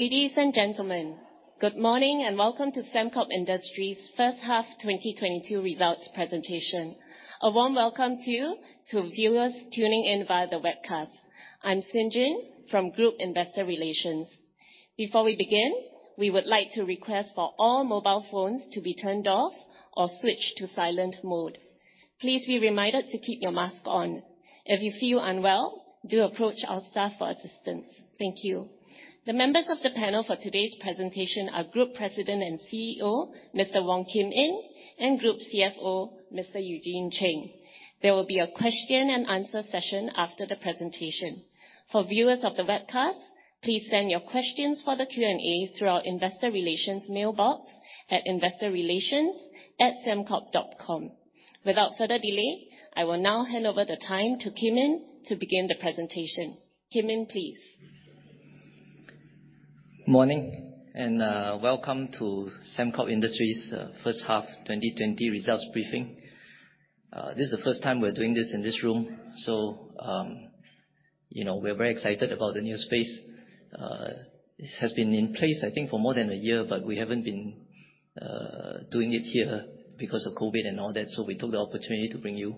Ladies and gentlemen, good morning and welcome to Sembcorp Industries First Half 2022 results presentation. A warm welcome to you, to viewers tuning in via the webcast. I'm Ling Xin Jin from Group Investor Relations. Before we begin, we would like to request for all mobile phones to be turned off or switched to silent mode. Please be reminded to keep your mask on. If you feel unwell, do approach our staff for assistance. Thank you. The members of the panel for today's presentation are Group President and CEO, Mr. Wong Kim Yin, and Group CFO, Mr. Eugene Cheng. There will be a question and answer session after the presentation. For viewers of the webcast, please send your questions for the Q&A through our investor relations mailbox at investorrelations@sembcorp.com. Without further delay, I will now hand over the time to Kim Yin to begin the presentation. Kim Yin, please. Morning, welcome to Sembcorp Industries First Half 2020 results briefing. This is the first time we're doing this in this room, so you know, we're very excited about the new space. This has been in place, I think for more than a year, but we haven't been doing it here because of COVID and all that, so we took the opportunity to bring you.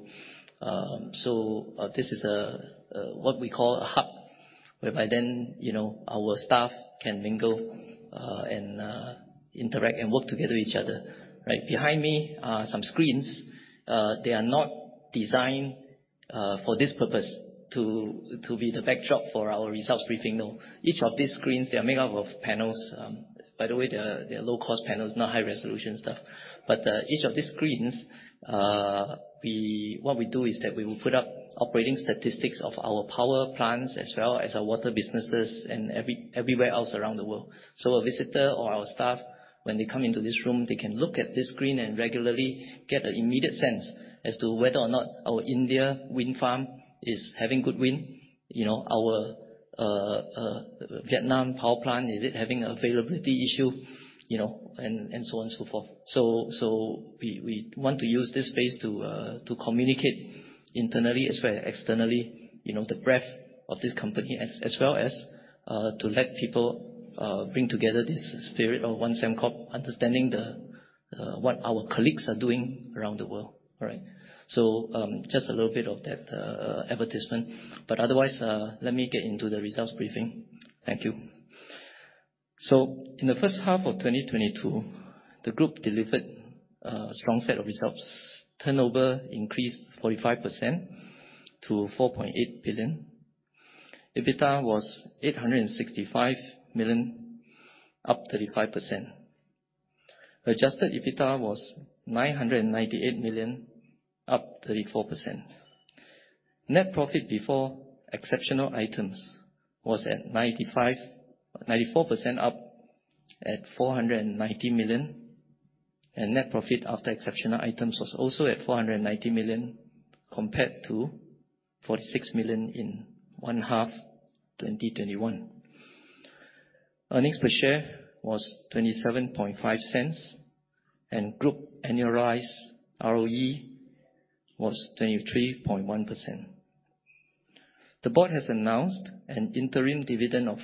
This is a what we call a hub, whereby then you know, our staff can mingle and interact and work together each other. Right behind me are some screens. They are not designed for this purpose to be the backdrop for our results briefing, no. Each of these screens, they are made up of panels. By the way, they're low cost panels, not high resolution stuff. Each of these screens, what we do is that we will put up operating statistics of our power plants as well as our water businesses and everywhere else around the world. A visitor or our staff, when they come into this room, they can look at this screen and regularly get an immediate sense as to whether or not our India wind farm is having good wind. You know, our Vietnam power plant, is it having availability issue? You know, and so on and so forth. We want to use this space to communicate internally as well as externally, you know, the breadth of this company, as well as to let people bring together this spirit of one Sembcorp, understanding what our colleagues are doing around the world. All right. Just a little bit of that advertisement, but otherwise, let me get into the results briefing. Thank you. In the First Half of 2022, the group delivered a strong set of results. Turnover increased 45% to 4.8 billion. EBITDA was 865 million, up 35%. Adjusted EBITDA was 998 million, up 34%. Net profit before exceptional items was at 94% up at 490 million. Net profit after exceptional items was also at 490 million, compared to 46 million in one-half 2021. Earnings per share was 0.275, and group annualized ROE was 23.1%. The board has announced an interim dividend of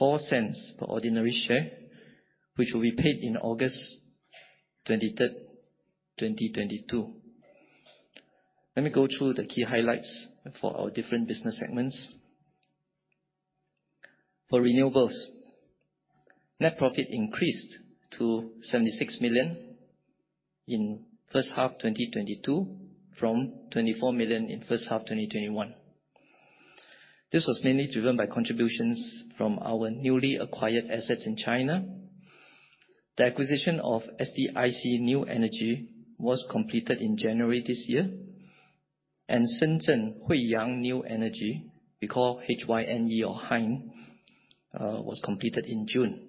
0.04 per ordinary share, which will be paid in August 23, 2022. Let me go through the key highlights for our different business segments. For renewables, net profit increased to 76 million in first half 2022 from 24 million in first half 2021. This was mainly driven by contributions from our newly acquired assets in China. The acquisition of SDIC New Energy was completed in January this year, and Shenzhen Huiyang New Energy, we call HYNE or Hyne, was completed in June.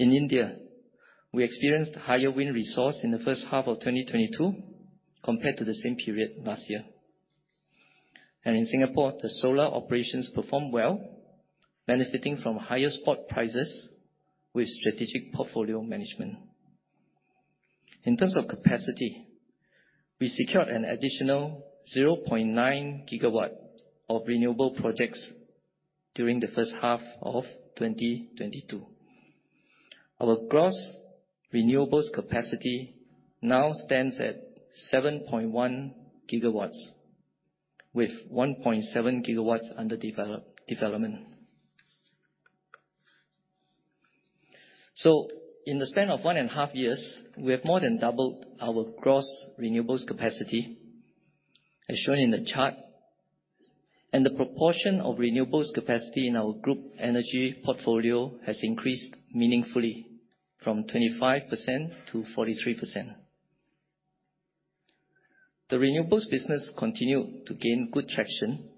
In India, we experienced higher wind resource in the first half of 2022 compared to the same period last year. In Singapore, the solar operations performed well, benefiting from higher spot prices with strategic portfolio management. In terms of capacity, we secured an additional 0.9 GW of renewable projects during the first half of 2022. Our gross renewables capacity now stands at 7.1 GW with 1.7 gigawatts under development. In the span of one in a half years, we have more than doubled our gross renewables capacity as shown in the chart. The proportion of renewables capacity in our group energy portfolio has increased meaningfully from 25%-43%. The renewables business continued to gain good traction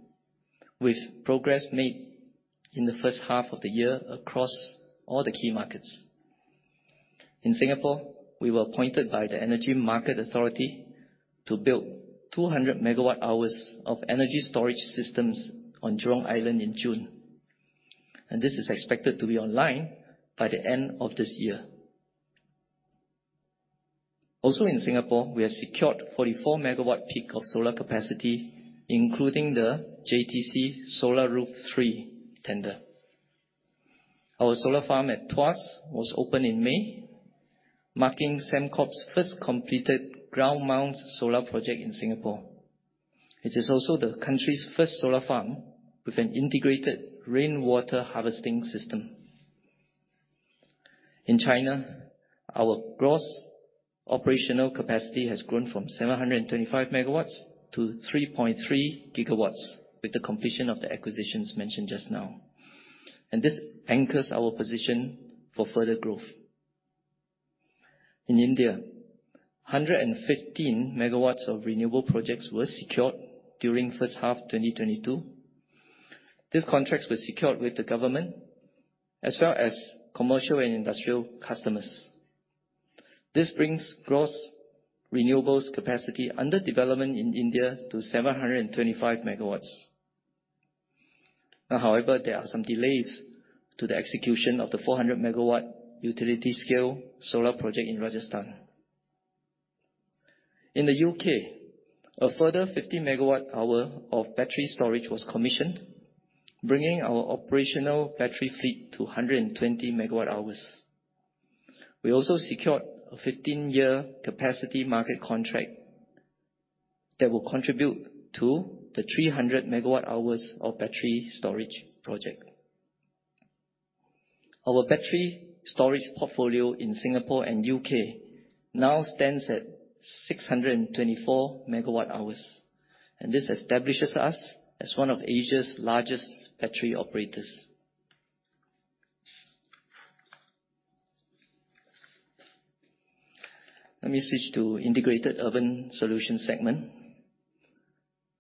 with progress made in the first half of the year across all the key markets. In Singapore, we were appointed by the Energy Market Authority to build 200 MWh of energy storage systems on Jurong Island in June, and this is expected to be online by the end of this year. Also in Singapore, we have secured 44 MW peak of solar capacity, including the JTC SolarRoof III tender. Our solar farm at Tuas was opened in May, marking Sembcorp's first completed ground mount solar project in Singapore. It is also the country's first solar farm with an integrated rainwater harvesting system. In China, our gross operational capacity has grown from 725 MW to 3.3 GW with the completion of the acquisitions mentioned just now. This anchors our position for further growth. In India, 115 MW of renewable projects were secured during first half 2022. These contracts were secured with the government as well as commercial and industrial customers. This brings gross renewables capacity under development in India to 725 MW. Now, however, there are some delays to the execution of the 400 MW utility scale solar project in Rajasthan. In the U.K., a further 50 MWh of battery storage was commissioned, bringing our operational battery fleet to 120 MWh. We also secured a 15 year capacity market contract that will contribute to the 300 MWh of battery storage project. Our battery storage portfolio in Singapore and U.K. now stands at 624 MWh, and this establishes us as one of Asia's largest battery operators. Let me switch to Integrated Urban Solutions segment.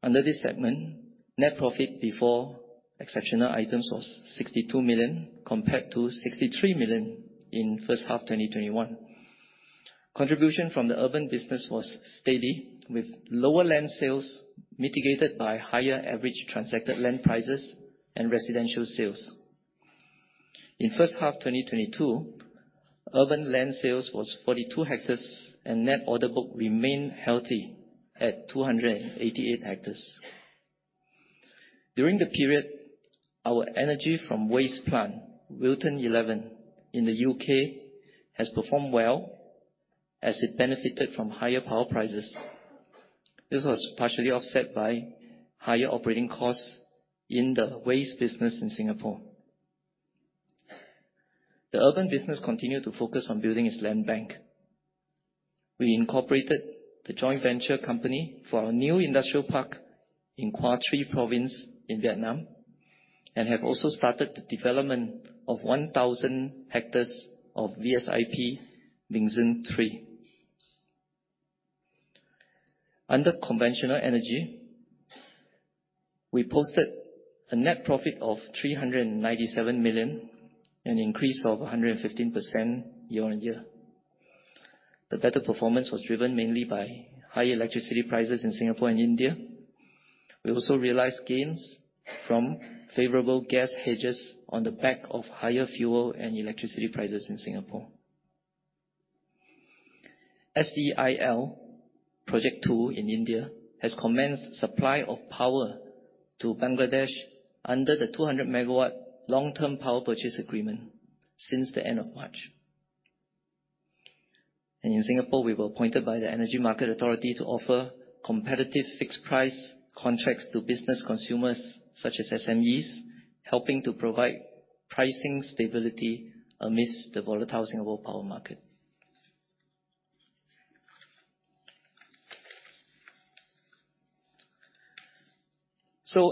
Under this segment, net profit before exceptional items was 62 million, compared to 63 million in first half 2021. Contribution from the urban business was steady, with lower land sales mitigated by higher average transacted land prices and residential sales. In first half 2022, urban land sales was 42 hectares and net order book remained healthy at 288 hectares. During the period, our energy from waste plant, Wilton 11 in the U.K., has performed well as it benefited from higher power prices. This was partially offset by higher operating costs in the waste business in Singapore. The urban business continued to focus on building its land bank. We incorporated the joint venture company for our new industrial park in Quang Tri province in Vietnam, and have also started the development of 1,000 hectares of VSIP Ming Xin Three. Under conventional energy, we posted a net profit of 397 million, an increase of 115% year-on-year. The better performance was driven mainly by high electricity prices in Singapore and India. We also realized gains from favorable gas hedges on the back of higher fuel and electricity prices in Singapore. SEIL Project 2 in India has commenced supply of power to Bangladesh under the 200 MW long-term power purchase agreement since the end of March. In Singapore, we were appointed by the Energy Market Authority to offer competitive fixed price contracts to business consumers such as SMEs, helping to provide pricing stability amidst the volatile Singapore power market.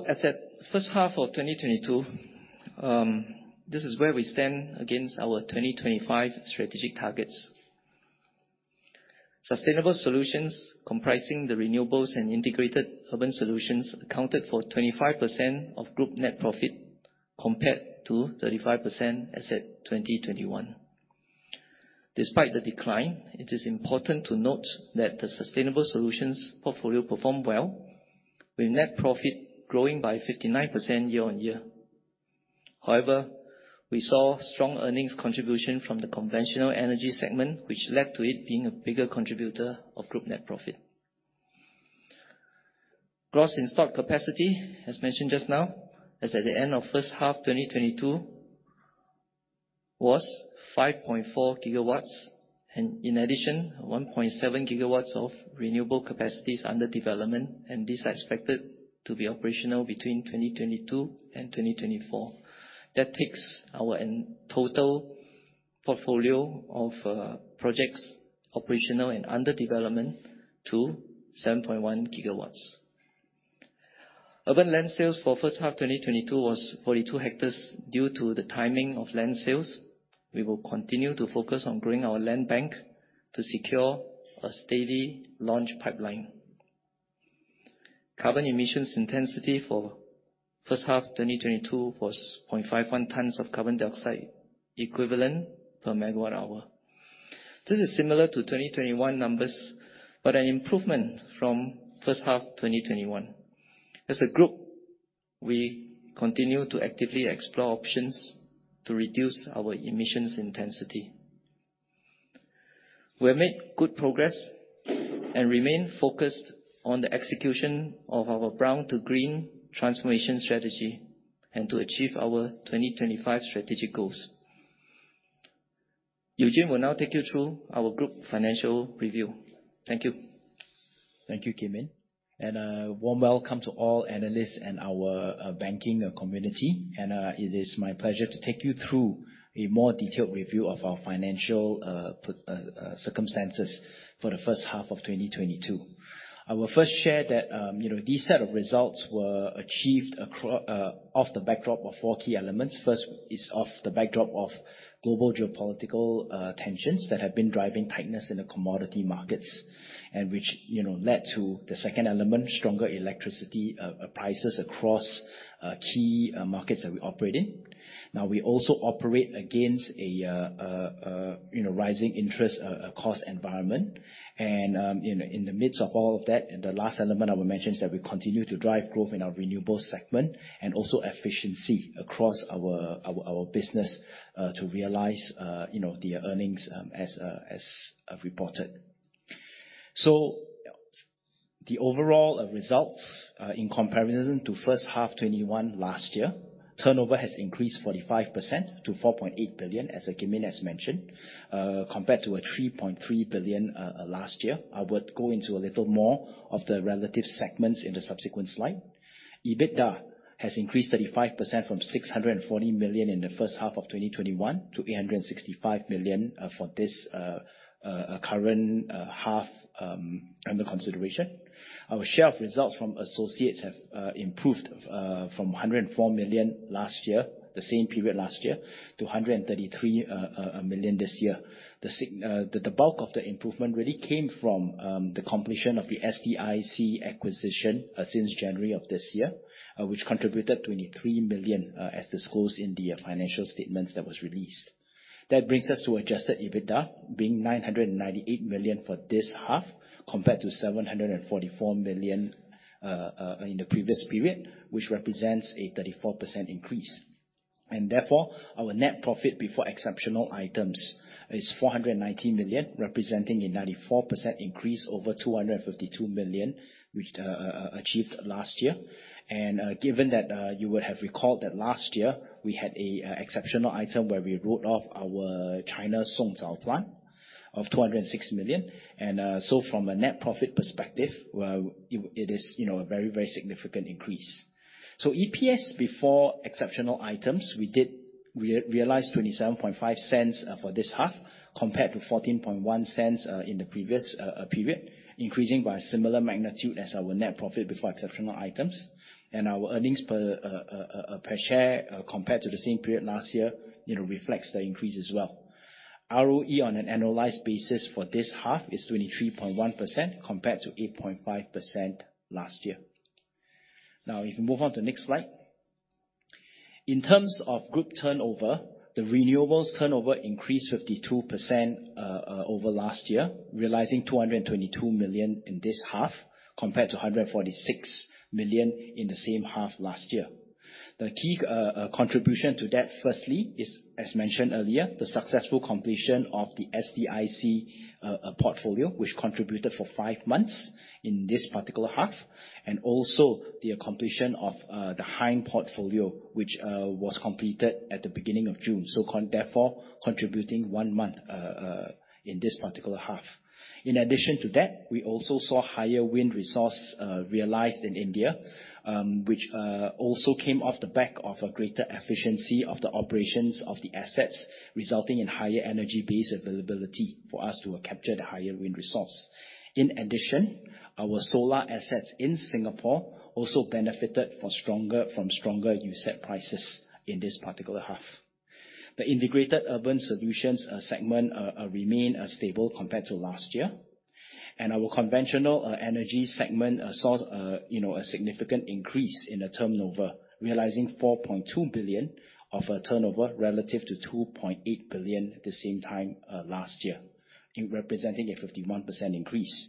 As at first half of 2022, this is where we stand against our 2025 strategic targets. Sustainable solutions comprising the renewables and integrated urban solutions accounted for 25% of group net profit, compared to 35% as at 2021. Despite the decline, it is important to note that the sustainable solutions portfolio performed well with net profit growing by 59% year on year. However, we saw strong earnings contribution from the conventional energy segment, which led to it being a bigger contributor of group net profit. Gross in-stock capacity, as mentioned just now, as at the end of first half 2022 was 5.4 GW. In addition, 1.7 GW of renewable capacities under development, and these are expected to be operational between 2022 and 2024. That takes our end total portfolio of projects operational and under development to 7.1 GW. Urban land sales for first half 2022 was 42 hectares due to the timing of land sales. We will continue to focus on growing our land bank to secure a steady launch pipeline. Carbon emissions intensity for first half 2022 was 0.51 tons of carbon dioxide equivalent per megawatt hour. This is similar to 2021 numbers, but an improvement from first half 2021. As a group, we continue to actively explore options to reduce our emissions intensity. We have made good progress and remain focused on the execution of our brown to green transformation strategy, and to achieve our 2025 strategic goals. Eugene will now take you through our group financial review. Thank you. Thank you, Wong Kim Yin, and a warm welcome to all analysts and our banking community. It is my pleasure to take you through a more detailed review of our financial circumstances for the first half of 2022. I will first share that, you know, these set of results were achieved off the backdrop of four key elements. First is off the backdrop of global geopolitical tensions that have been driving tightness in the commodity markets and which, you know, led to the second element, stronger electricity prices across key markets that we operate in. Now, we also operate against a, you know, rising interest cost environment. In the midst of all of that, the last element I will mention is that we continue to drive growth in our renewables segment and also efficiency across our business to realize, you know, the earnings as reported. The overall results in comparison to first half 2021 last year, turnover has increased 45% to 4.8 billion, as Kim Yin has mentioned, compared to 3.3 billion last year. I would go into a little more of the relative segments in the subsequent slide. EBITDA has increased 35% from 640 million in the first half of 2021 to 865 million for this current half under consideration. Our share of results from associates have improved from 104 million last year, the same period last year, to 133 million this year. The bulk of the improvement really came from the completion of the SDIC acquisition since January of this year, which contributed 23 million, as disclosed in the financial statements that was released. That brings us to adjusted EBITDA being 998 million for this half compared to 744 million in the previous period, which represents a 34% increase. Therefore, our net profit before exceptional items is 490 million, representing a 94% increase over 252 million, which achieved last year. Given that you would have recalled that last year we had an exceptional item where we wrote off our China Songzao plant of 206 million. From a net profit perspective, well, it is, you know, a very, very significant increase. EPS before exceptional items, we did realize 0.275 For this half compared to 0.141 in the previous period, increasing by a similar magnitude as our net profit before exceptional items. Our earnings per share compared to the same period last year, you know, reflects the increase as well. ROE on an annualized basis for this half is 23.1% compared to 8.5% last year. Now you can move on to the next slide. In terms of group turnover, the renewables turnover increased 52% over last year, realizing 222 million in this half compared to 146 million in the same half last year. The key contribution to that, firstly, is, as mentioned earlier, the successful completion of the SDIC portfolio, which contributed for five months in this particular half, and also the completion of the HYNE portfolio, which was completed at the beginning of June, so therefore contributing one month in this particular half. In addition to that, we also saw higher wind resource realized in India, which also came off the back of a greater efficiency of the operations of the assets, resulting in higher energy base availability for us to capture the higher wind resource. In addition, our solar assets in Singapore also benefited from stronger USEP prices in this particular half. The integrated urban solutions segment remain stable compared to last year. Our conventional energy segment saw you know, a significant increase in the turnover, realizing 4.2 billion of turnover relative to 2.8 billion at the same time last year, representing a 51% increase.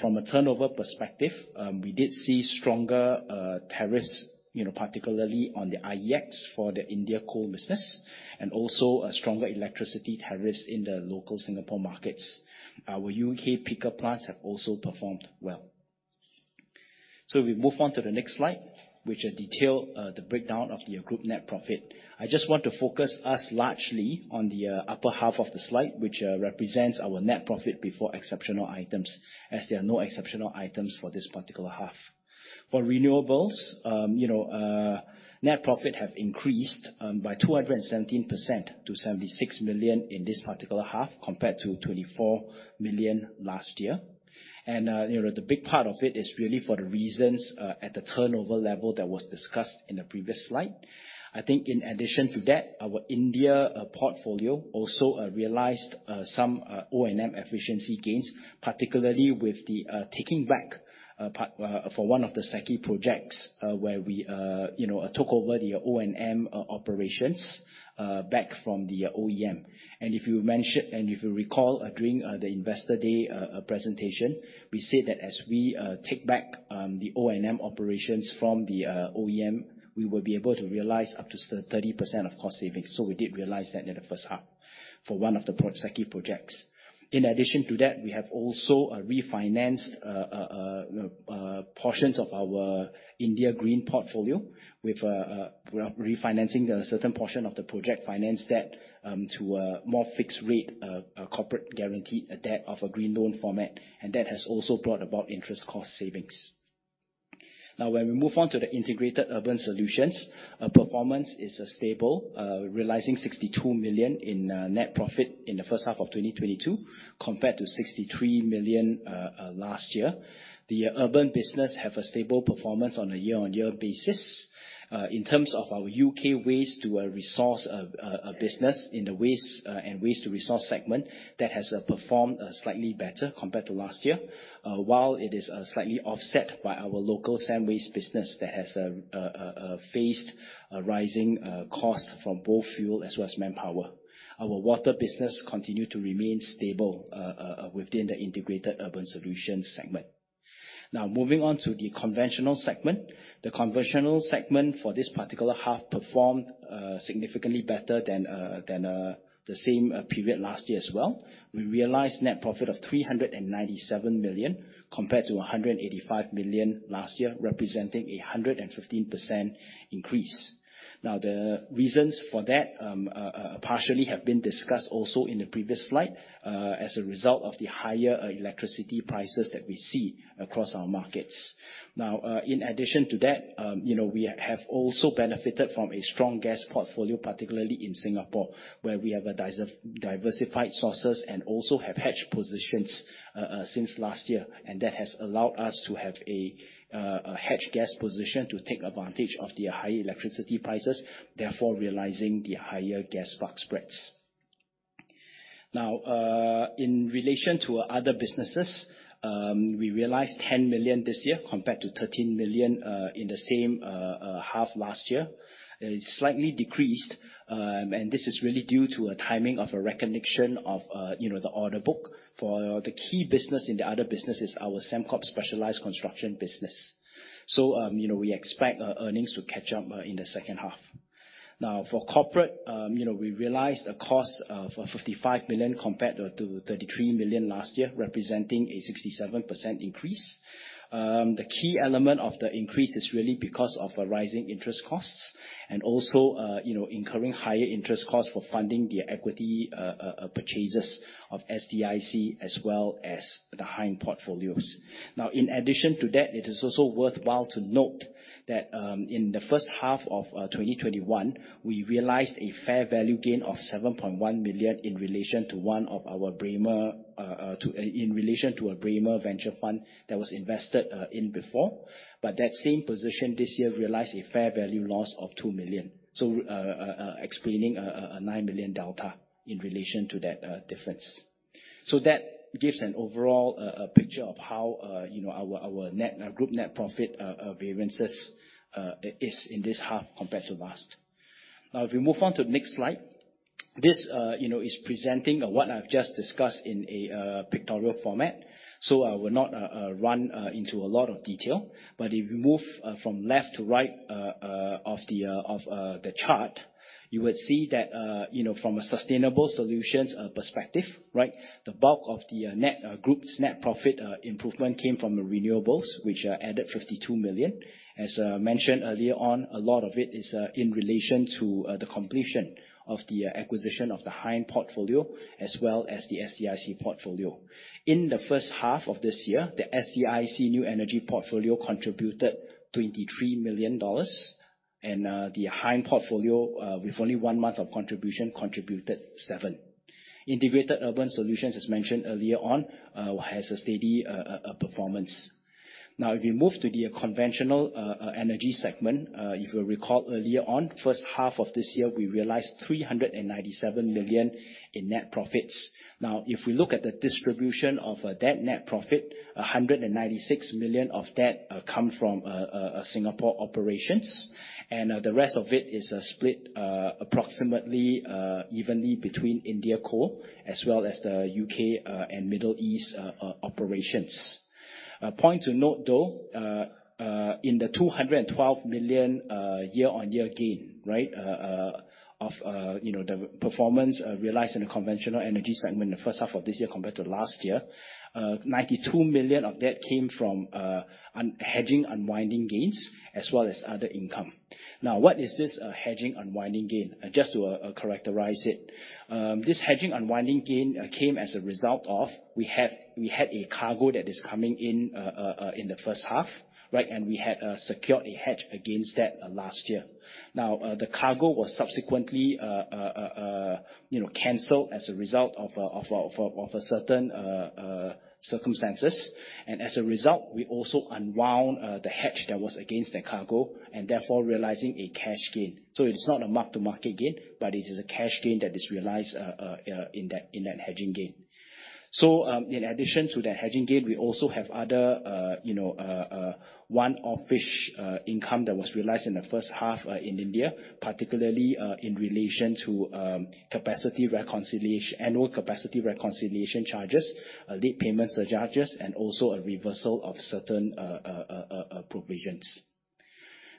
From a turnover perspective, we did see stronger tariffs you know, particularly on the IEX for the India coal business and also a stronger electricity tariffs in the local Singapore markets. Our UK power plants have also performed well. We move on to the next slide, which detail the breakdown of the group net profit. I just want to focus us largely on the upper half of the slide, which represents our net profit before exceptional items, as there are no exceptional items for this particular half. For renewables, you know, net profit have increased by 217% to 76 million in this particular half compared to 24 million last year. You know, the big part of it is really for the reasons at the turnover level that was discussed in the previous slide. I think in addition to that, our India portfolio also realized some O&M efficiency gains, particularly with the taking back for one of the Sakra projects, where we you know took over the O&M operations back from the OEM. If you recall, during the Investor Day presentation, we said that as we take back the O&M operations from the OEM, we will be able to realize up to 30% of cost savings. We did realize that in the first half. For one of the [projects, Sakra] projects. In addition to that, we have also refinanced portions of our India green portfolio with refinancing a certain portion of the project finance debt to a more fixed rate, a corporate-guaranteed debt of a green loan format. That has also brought about interest cost savings. Now, when we move on to the integrated urban solutions, our performance is stable, realizing 62 million in net profit in the first half of 2022 compared to 63 million last year. The urban business have a stable performance on a year-on-year basis. In terms of our UK waste-to-resource business in the waste and waste-to-resource segment that has performed slightly better compared to last year. While it is slightly offset by our local sand waste business that has faced rising costs from both fuel as well as manpower. Our water business continue to remain stable within the integrated urban solutions segment. Now moving on to the conventional segment. The conventional segment for this particular half performed significantly better than the same period last year as well. We realized net profit of 397 million compared to 185 million last year, representing a 115% increase. Now, the reasons for that partially have been discussed also in the previous slide as a result of the higher electricity prices that we see across our markets. Now, in addition to that, you know, we have also benefited from a strong gas portfolio, particularly in Singapore, where we have diversified sources and also have hedge positions since last year. That has allowed us to have a hedge gas position to take advantage of the high electricity prices, therefore realizing the higher gas spark spreads. Now, in relation to our other businesses, we realized 10 million this year compared to 13 million in the same half last year. It slightly decreased, and this is really due to a timing of a recognition of, you know, the order book for the key business in the other business is our Sembcorp Specialised Construction business. So, you know, we expect our earnings to catch up in the second half. Now, for corporate, you know, we realized a cost of 55 million compared to 33 million last year, representing a 67% increase. The key element of the increase is really because of rising interest costs and also, you know, incurring higher interest costs for funding the equity purchases of SDIC as well as the high-end portfolios. Now, in addition to that, it is also worthwhile to note that in the first half of 2021, we realized a fair value gain of 7.1 million in relation to a Bremer venture fund that was invested in before. But that same position this year realized a fair value loss of 2 million. Explaining a 9 million delta in relation to that difference. That gives an overall picture of how, you know, our group net profit variances is in this half compared to last. Now if we move on to the next slide. This, you know, is presenting what I've just discussed in a pictorial format. I will not run into a lot of detail, but if we move from left to right of the chart. You would see that, you know, from a sustainable solutions perspective, right? The bulk of the group's net profit improvement came from renewables, which added 52 million. As mentioned earlier on, a lot of it is in relation to the completion of the acquisition of the HYNE portfolio, as well as the SDIC portfolio. In the first half of this year, the SDIC New Energy portfolio contributed 23 million dollars and the HYNE portfolio, with only one month of contribution, contributed 7 million. Integrated Urban Solutions, as mentioned earlier on, has a steady performance. Now, if you move to the conventional energy segment, if you'll recall earlier on, first half of this year, we realized 397 million in net profits. Now, if we look at the distribution of that net profit, 196 million of that come from Singapore operations. The rest of it is split approximately evenly between India core as well as the U.K. and Middle East operations. A point to note, though, in the 212 million year-on-year gain, right? Of you know the performance realized in the conventional energy segment in the first half of this year compared to last year, 92 million of that came from unhedging unwinding gains as well as other income. Now, what is this hedging unwinding gain? Just to characterize it. This hedging unwinding gain came as a result of we had a cargo that is coming in in the first half, right? We had secured a hedge against that last year. The cargo was subsequently canceled as a result of certain circumstances. We also unwound the hedge that was against the cargo and therefore realizing a cash gain. It's not a mark to market gain, but it is a cash gain that is realized in that hedging gain. In addition to that hedging gain, we also have other, you know, one-off income that was realized in the first half, in India, particularly, in relation to capacity reconciliation, annual capacity reconciliation charges, late payment surcharges and also a reversal of certain provisions.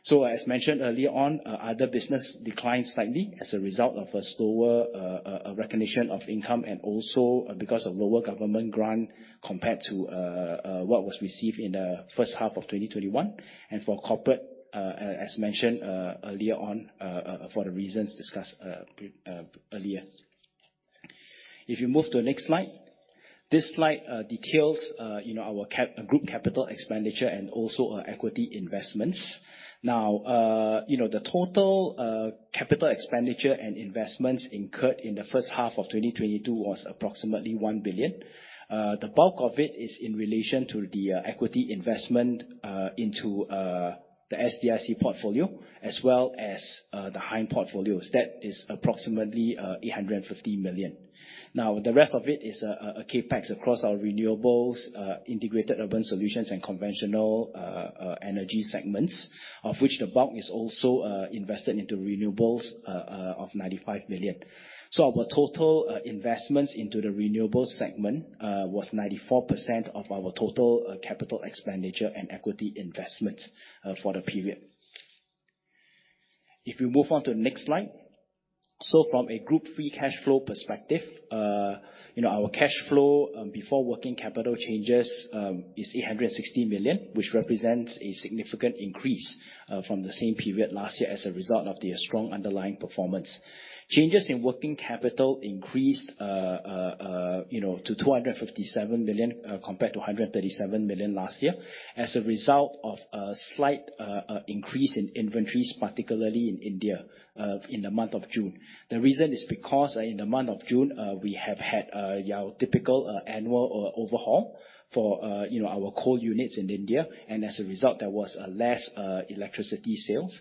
As mentioned earlier on, other business declined slightly as a result of a slower recognition of income and also because of lower government grant compared to what was received in the first half of 2021. For corporate, as mentioned earlier on, for the reasons discussed earlier. If you move to the next slide. This slide details, you know, our group capital expenditure and also our equity investments. Now, you know, the total capital expenditure and investments incurred in the first half of 2022 was approximately 1 billion. The bulk of it is in relation to the equity investment into the SDIC portfolio, as well as the HYNE portfolios. That is approximately 850 million. Now, the rest of it is CapEx across our renewables, integrated urban solutions and conventional energy segments, of which the bulk is also invested into renewables of 95 million. Our total investments into the renewables segment was 94% of our total capital expenditure and equity investment for the period. If you move on to the next slide. From a group free cash flow perspective, you know, our cash flow before working capital changes is 860 million, which represents a significant increase from the same period last year as a result of the strong underlying performance. Changes in working capital increased, you know, to 257 million compared to 137 million last year as a result of a slight increase in inventories, particularly in India, in the month of June. The reason is because in the month of June, we have had our typical annual overhaul for, you know, our coal units in India. As a result, there was less electricity sales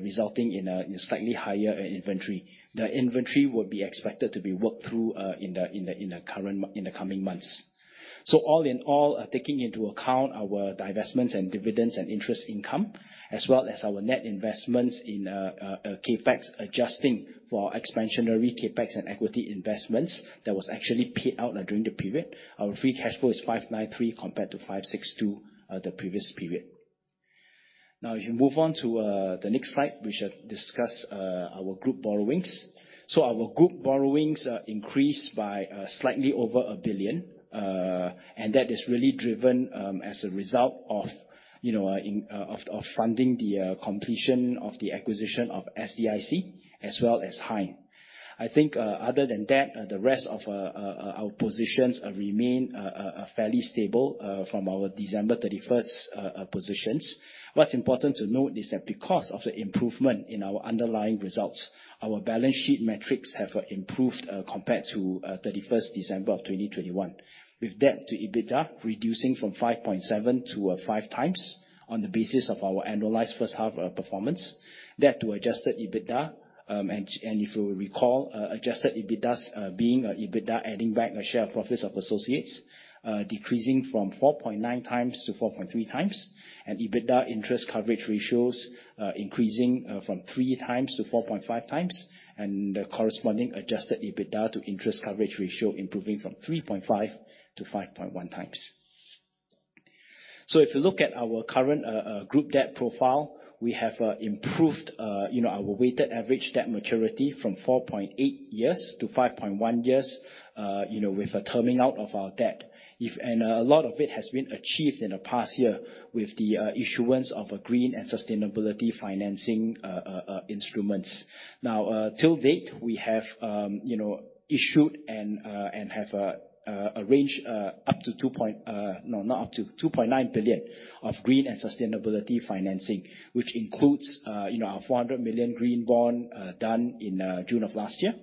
resulting in a slightly higher inventory. The inventory will be expected to be worked through in the coming months. All in all, taking into account our divestments and dividends and interest income, as well as our net investments in CapEx, adjusting for expansionary CapEx and equity investments that was actually paid out during the period. Our free cash flow is 593 compared to 562 the previous period. Now, if you move on to the next slide, we shall discuss our group borrowings. Our group borrowings increased by slightly over 1 billion. That is really driven as a result of, you know, funding the completion of the acquisition of SDIC as well as HYNE. I think, other than that, the rest of our positions remain fairly stable from our December 31st positions. What's important to note is that because of the improvement in our underlying results, our balance sheet metrics have improved compared to 31st December 2021, with debt to EBITDA reducing from 5.7x to 5x times on the basis of our annualized first half performance. Debt to adjusted EBITDA, and if you recall, adjusted EBITDA's being EBITDA adding back a share of profits of associates, decreasing from 4.9x to 4.3x, and EBITDA interest coverage ratios increasing from 3x to 4.5x, and the corresponding adjusted EBITDA to interest coverage ratio improving from 3.5x to 5.1x. If you look at our current group debt profile, we have improved, you know, our weighted average debt maturity from 4.8 years to 5.1 years, you know, with a terming out of our debt, and a lot of it has been achieved in the past year with the issuance of a green and sustainability financing instruments. To date, we have, you know, issued and have arranged up to 2.9 billion of green and sustainability financing, which includes, you know, our 400 million green bond done in June of last year.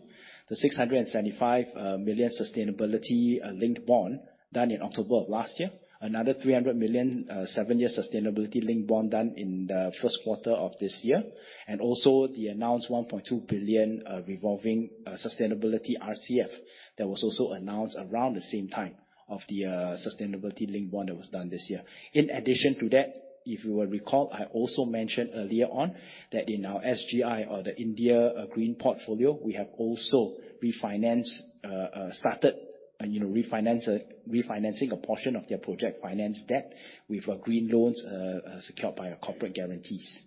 The 675 million sustainability-linked bond done in October of last year. Another 300 million, 7-year sustainability linked bond done in the first quarter of this year, and also the announced 1.2 billion revolving sustainability RCF that was also announced around the same time of the sustainability linked bond that was done this year. In addition to that, if you will recall, I also mentioned earlier on that in our SGI or the India green portfolio, we have also started, you know, refinancing a portion of their project finance debt with green loans secured by our corporate guarantees.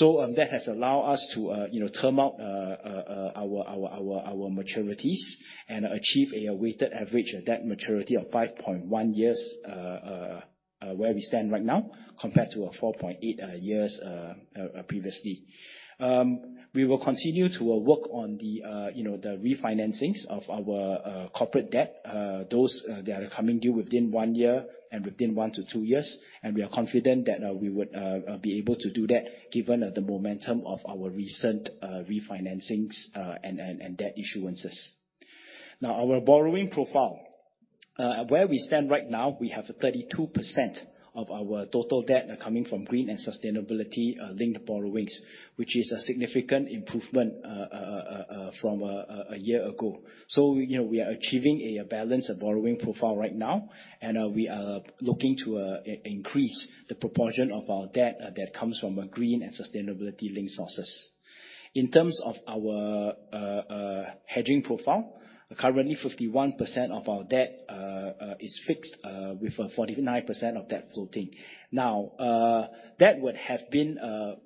That has allowed us to, you know, term out our maturities and achieve a weighted average debt maturity of 5.1 years where we stand right now compared to a 4.8 years previously. We will continue to work on the, you know, the refinancings of our corporate debt, those that are coming due within one year and within one to two years. We are confident that we would be able to do that given the momentum of our recent refinancings and debt issuances. Now, our borrowing profile. Where we stand right now, we have 32% of our total debt coming from green and sustainability-linked borrowings, which is a significant improvement from a year ago. You know, we are achieving a balanced borrowing profile right now, and we are looking to increase the proportion of our debt that comes from green and sustainability-linked sources. In terms of our hedging profile, currently 51% of our debt is fixed, with 49% of that floating. Now, that would have been,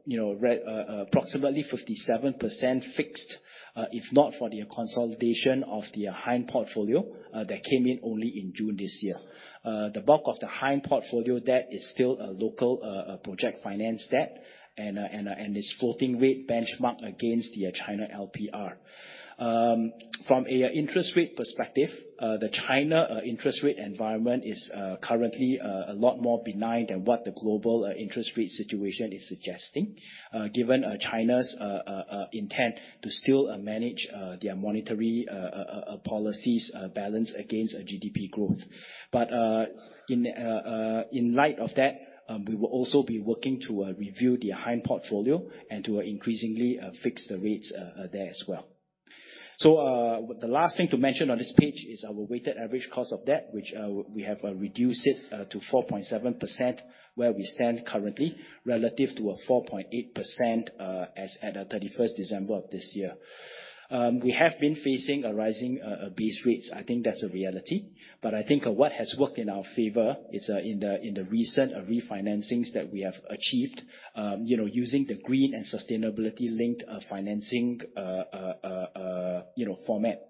you know, approximately 57% fixed, if not for the consolidation of the HYNE portfolio that came in only in June this year. The bulk of the HYNE portfolio debt is still local project finance debt, and is floating rate benchmarked against the China LPR. From a interest rate perspective, the Chinese interest rate environment is currently a lot more benign than what the global interest rate situation is suggesting, given China's intent to still manage their monetary policies balance against GDP growth. In light of that, we will also be working to review the HYNE portfolio and to increasingly fix the rates there as well. The last thing to mention on this page is our weighted average cost of debt, which we have reduced to 4.7% where we stand currently relative to a 4.8% as at 31 December of this year. We have been facing a rising base rates. I think that's a reality. I think what has worked in our favor is, in the recent refinancings that we have achieved, you know, using the green and sustainability linked financing, you know, format.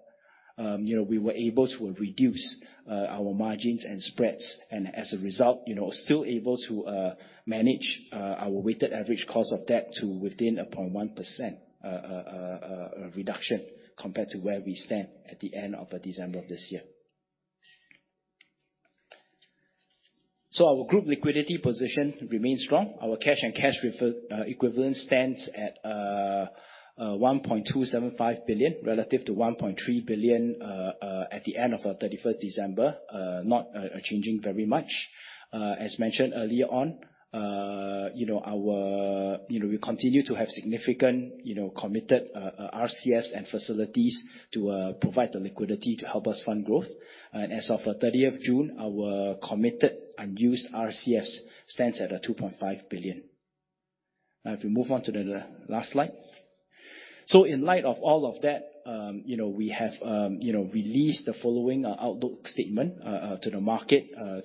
You know, we were able to reduce our margins and spreads and as a result, you know, still able to manage our weighted average cost of debt to within 0.1% reduction compared to where we stand at the end of December of this year. Our group liquidity position remains strong. Our cash and cash equivalent stands at 1.275 billion relative to 1.3 billion at the end of our 31st December. Not changing very much. As mentioned earlier on, you know, we continue to have significant, you know, committed RCFs and facilities to provide the liquidity to help us fund growth. As of 30 June, our committed unused RCFs stands at 2.5 billion. Now, if we move on to the last slide. In light of all of that, you know, we have, you know, released the following outlook statement to the market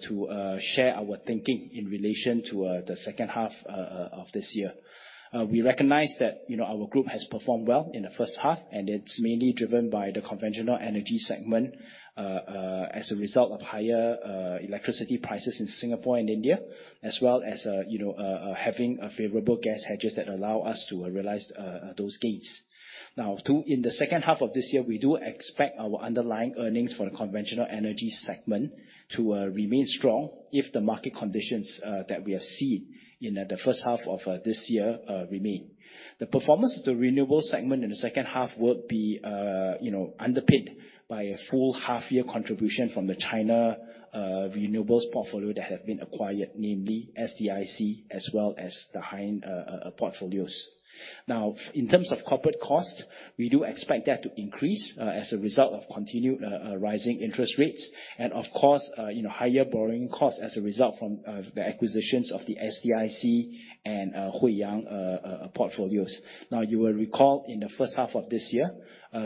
to share our thinking in relation to the second half of this year. We recognize that, you know, our group has performed well in the first half, and it's mainly driven by the conventional energy segment as a result of higher electricity prices in Singapore and India. As well as, you know, having a favorable gas hedges that allow us to realize those gains. Now, too, in the second half of this year, we do expect our underlying earnings for the conventional energy segment to remain strong if the market conditions that we have seen in the first half of this year remain. The performance of the renewable segment in the second half will be, you know, underpinned by a full half year contribution from the China renewables portfolio that have been acquired, namely SDIC as well as the HYNE portfolios. Now, in terms of corporate costs, we do expect that to increase as a result of continued rising interest rates and of course, you know, higher borrowing costs as a result from the acquisitions of the SDIC and Huiyang portfolios. Now, you will recall in the first half of this year,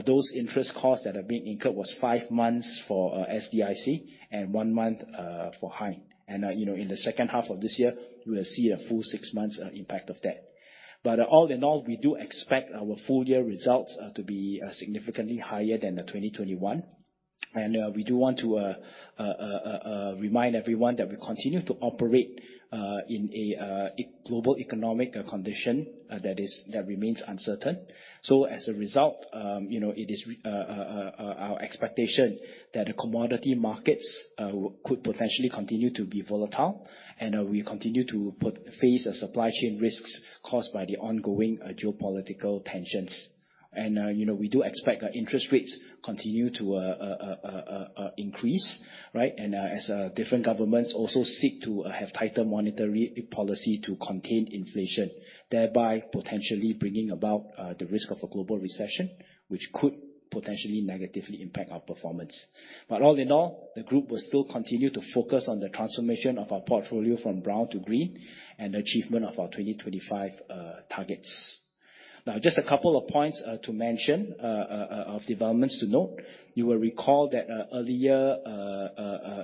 those interest costs that are being incurred was five months for SDIC and one month for HYNE. You know, in the second half of this year, we will see a full six months impact of that. All in all, we do expect our full year results to be significantly higher than 2021. We do want to remind everyone that we continue to operate in a global economic condition that remains uncertain. As a result, you know, it is our expectation that the commodity markets could potentially continue to be volatile. We continue to face a supply chain risks caused by the ongoing geopolitical tensions. You know, we do expect our interest rates continue to increase, right? Different governments also seek to have tighter monetary policy to contain inflation, thereby potentially bringing about the risk of a global recession, which could potentially negatively impact our performance. All in all, the group will still continue to focus on the transformation of our portfolio from brown to green and achievement of our 2025 targets. Now, just a couple of points to mention of developments to note. You will recall that earlier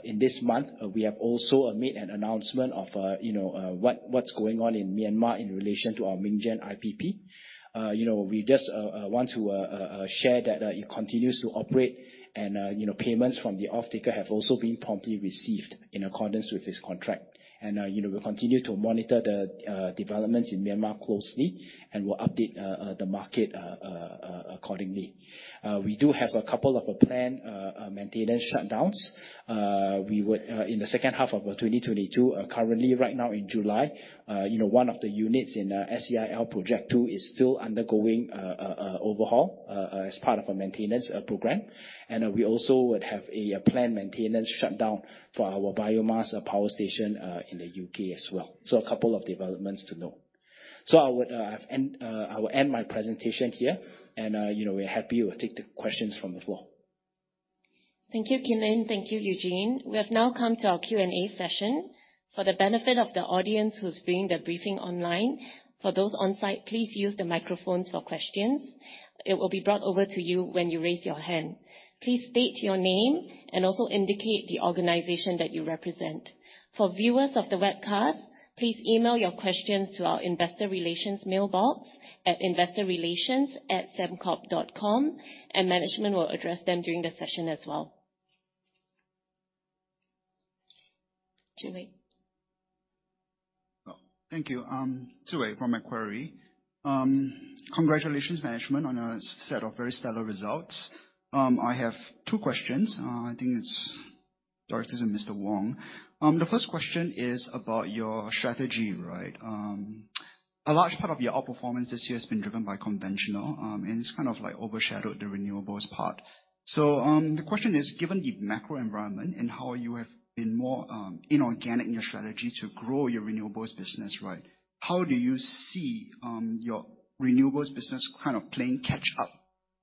in this month, we have also made an announcement of you know, what's going on in Myanmar in relation to our Myingyan IPP. You know, we just want to share that it continues to operate and, you know, payments from the offtaker have also been promptly received in accordance with this contract. You know, we'll continue to monitor the developments in Myanmar closely, and we'll update the market accordingly. We do have a couple of planned maintenance shutdowns. We would in the second half of 2022, currently right now in July, you know, one of the units in SEIL Project 2 is still undergoing overhaul as part of a maintenance program. We also would have a planned maintenance shutdown for our biomass power station in the U.K. as well. A couple of developments to know. I will end my presentation here, and, you know, we're happy. We'll take the questions from the floor. Thank you, Kim Yin. Thank you, Eugene Cheng. We have now come to our Q&A session. For the benefit of the audience who's viewing the briefing online, for those on-site, please use the microphones for questions. It will be brought over to you when you raise your hand. Please state your name and also indicate the organization that you represent. For viewers of the webcast, please email your questions to our investor relations mailbox at investorrelations@sembcorp.com, and management will address them during the session as well. Zhiwei. Thank you. Zhiwei from Macquarie. Congratulations management on a set of very stellar results. I have two questions. I think it's directed to Mr. Wong. The first question is about your strategy, right? A large part of your outperformance this year has been driven by conventional, and it's kind of like overshadowed the renewables part. The question is, given the macro environment and how you have been more inorganic in your strategy to grow your renewables business, right? How do you see your renewables business kind of playing catch up,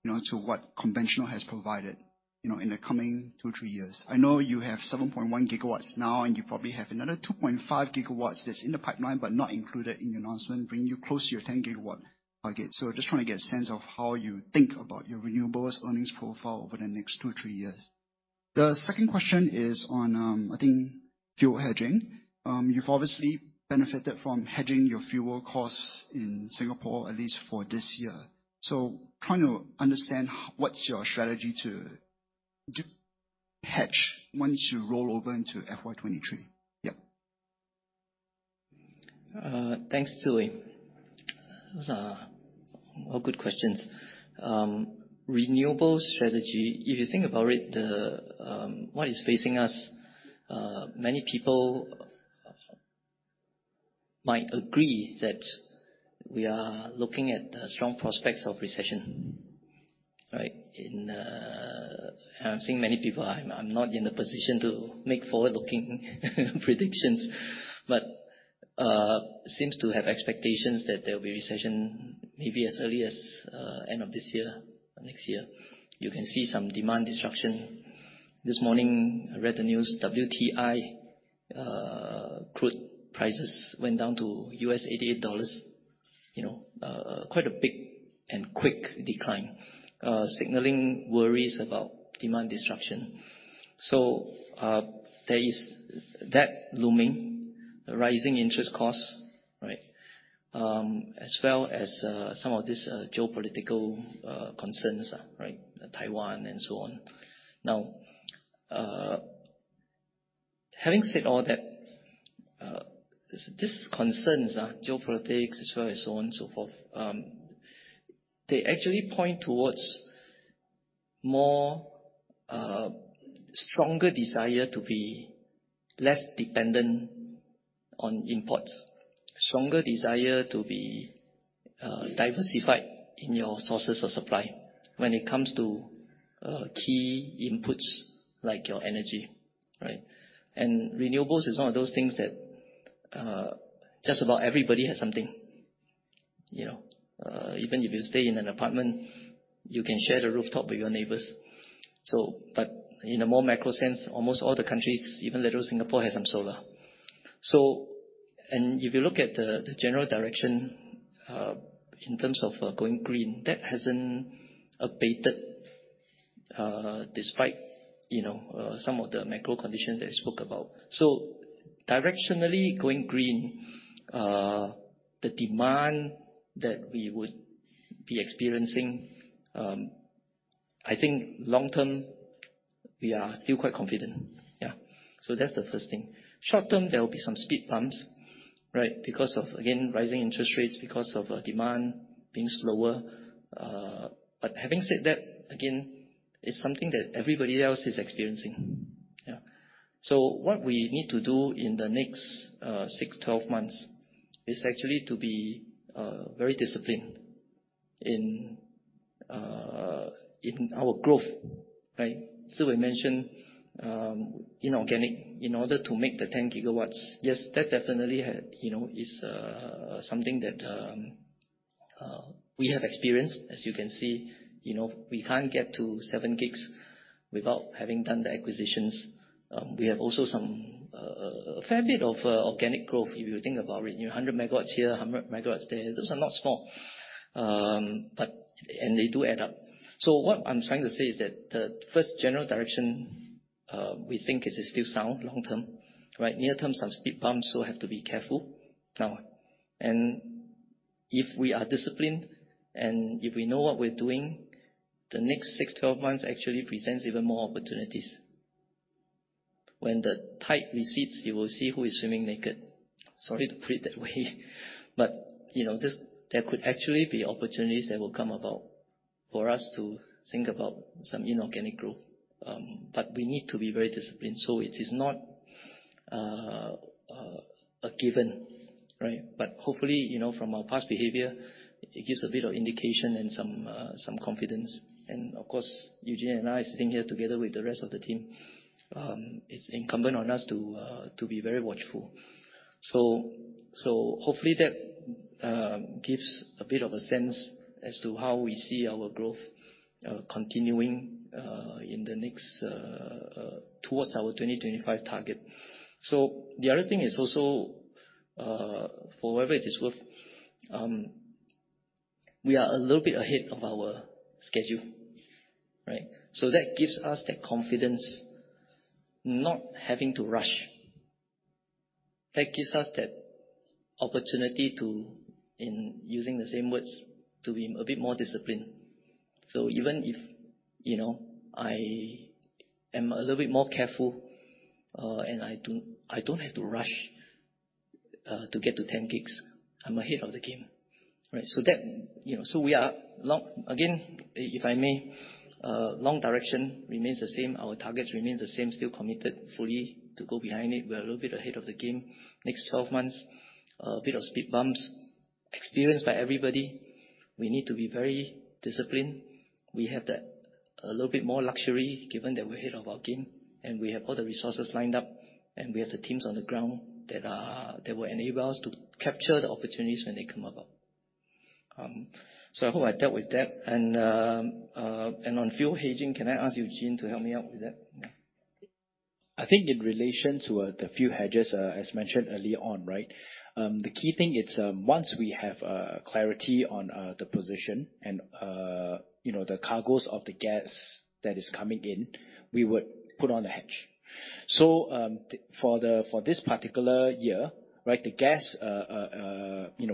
you know, to what conventional has provided, you know, in the coming two, three years? I know you have 7.1 GW now, and you probably have another 2.5 GW that's in the pipeline but not included in your announcement, bringing you close to your 10 GW target. Just trying to get a sense of how you think about your renewables earnings profile over the next two, three years. The second question is on, I think, fuel hedging. You've obviously benefited from hedging your fuel costs in Singapore, at least for this year. Trying to understand what's your strategy to hedge once you roll over into FY 2023. Yeah. Thanks, Zhiwei. Those are all good questions. Renewables strategy, if you think about it, what is facing us, many people might agree that we are looking at the strong prospects of recession, right? I'm seeing many people. I'm not in a position to make forward-looking predictions, seems to have expectations that there'll be recession maybe as early as end of this year or next year. You can see some demand disruption. This morning, I read the news, WTI crude prices went down to $88. You know, quite a big and quick decline, signaling worries about demand disruption. There is that looming, rising interest costs, right? As well as some of these geopolitical concerns, right? Taiwan and so on. Now, having said all that, these concerns, geopolitics as well, so on and so forth, they actually point towards more stronger desire to be less dependent on imports. Stronger desire to be diversified in your sources of supply when it comes to key inputs like your energy, right? Renewables is one of those things that just about everybody has something. You know, even if you stay in an apartment, you can share the rooftop with your neighbors. But in a more macro sense, almost all the countries, even little Singapore, have some solar. If you look at the general direction in terms of going green, that hasn't abated despite you know some of the macro conditions that I spoke about. Directionally, going green, the demand that we would be experiencing, I think long term, we are still quite confident. Yeah. That's the first thing. Short term, there will be some speed bumps, right? Because of, again, rising interest rates, because of demand being slower. But having said that, again, it's something that everybody else is experiencing. Yeah. What we need to do in the next 6 to 12 months is actually to be very disciplined in our growth, right? Zhiwei mentioned inorganic in order to make the 10 GW. Yes, that definitely is something that we have experienced, as you can see. You know, we can't get to 7 gigs without having done the acquisitions. We have also some, a fair bit of, organic growth, if you think about it. You know, 100 MW here, 100 MW there. Those are not small. They do add up. What I'm trying to say is that the first general direction, we think is still sound long term, right? Near term, some speed bumps, have to be careful. Now, if we are disciplined and if we know what we're doing, the next 6 to 12 months actually presents even more opportunities. When the tide recedes, you will see who is swimming naked. Sorry to put it that way, but you know, this, there could actually be opportunities that will come about for us to think about some inorganic growth. We need to be very disciplined. It is not a given, right? Hopefully, you know, from our past behavior, it gives a bit of indication and some confidence. Of course, Eugene and I sitting here together with the rest of the team, it's incumbent on us to be very watchful. Hopefully that gives a bit of a sense as to how we see our growth continuing in the next towards our 2025 target. The other thing is also, for whatever it is worth, we are a little bit ahead of our schedule, right? That gives us the confidence not having to rush. That gives us that opportunity to, in using the same words, to be a bit more disciplined. Even if, you know, I am a little bit more careful, and I don't have to rush to get to 10 GW. I'm ahead of the game, right? That, you know, we are long. Again, if I may, long direction remains the same, our targets remains the same, still committed fully to go behind it. We're a little bit ahead of the game. Next 12 months, a bit of speed bumps experienced by everybody. We need to be very disciplined. We have that a little bit more luxury given that we're ahead of our game, and we have all the resources lined up, and we have the teams on the ground that will enable us to capture the opportunities when they come about. I hope I dealt with that. On fuel hedging, can I ask Eugene to help me out with that? I think in relation to the few hedges as mentioned early on, right? The key thing is once we have clarity on the position and you know the cargoes of the gas that is coming in, we would put on the hedge. For this particular year, right, the gas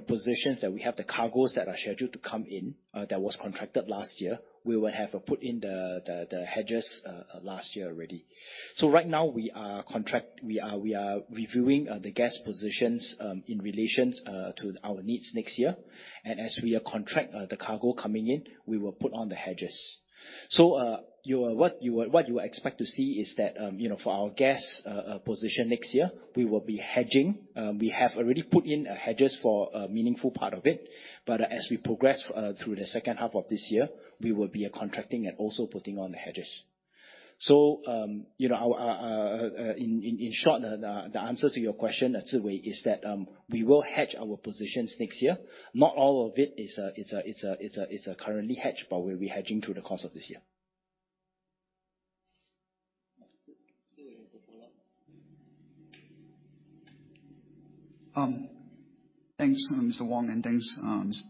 positions that we have, the cargoes that are scheduled to come in that was contracted last year, we would have put in the hedges last year already. Right now we are reviewing the gas positions in relation to our needs next year. As we contract the cargo coming in, we will put on the hedges. What you expect to see is that, you know, for our gas position next year, we will be hedging. We have already put in hedges for a meaningful part of it. As we progress through the second half of this year, we will be contracting and also putting on the hedges. You know, in short, the answer to your question, Zhiwei, is that we will hedge our positions next year. Not all of it is currently hedged, but we'll be hedging through the course of this year. Zhiwei has a follow-up. Thanks, Mr. Wong, and thanks,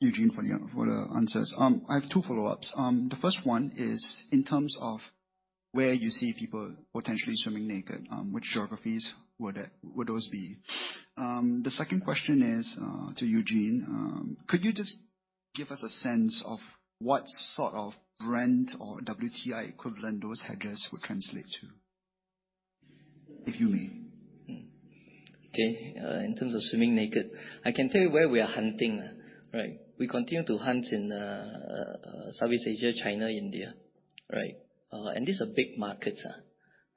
Eugene, for the answers. I have two follow-ups. The first one is in terms of where you see people potentially swimming naked, which geographies would those be? The second question is to Eugene. Could you just give us a sense of what sort of Brent or WTI equivalent those hedges would translate to, if you may? Okay. In terms of swimming naked, I can tell you where we are hunting, right? We continue to hunt in Southeast Asia, China, India, right? These are big markets,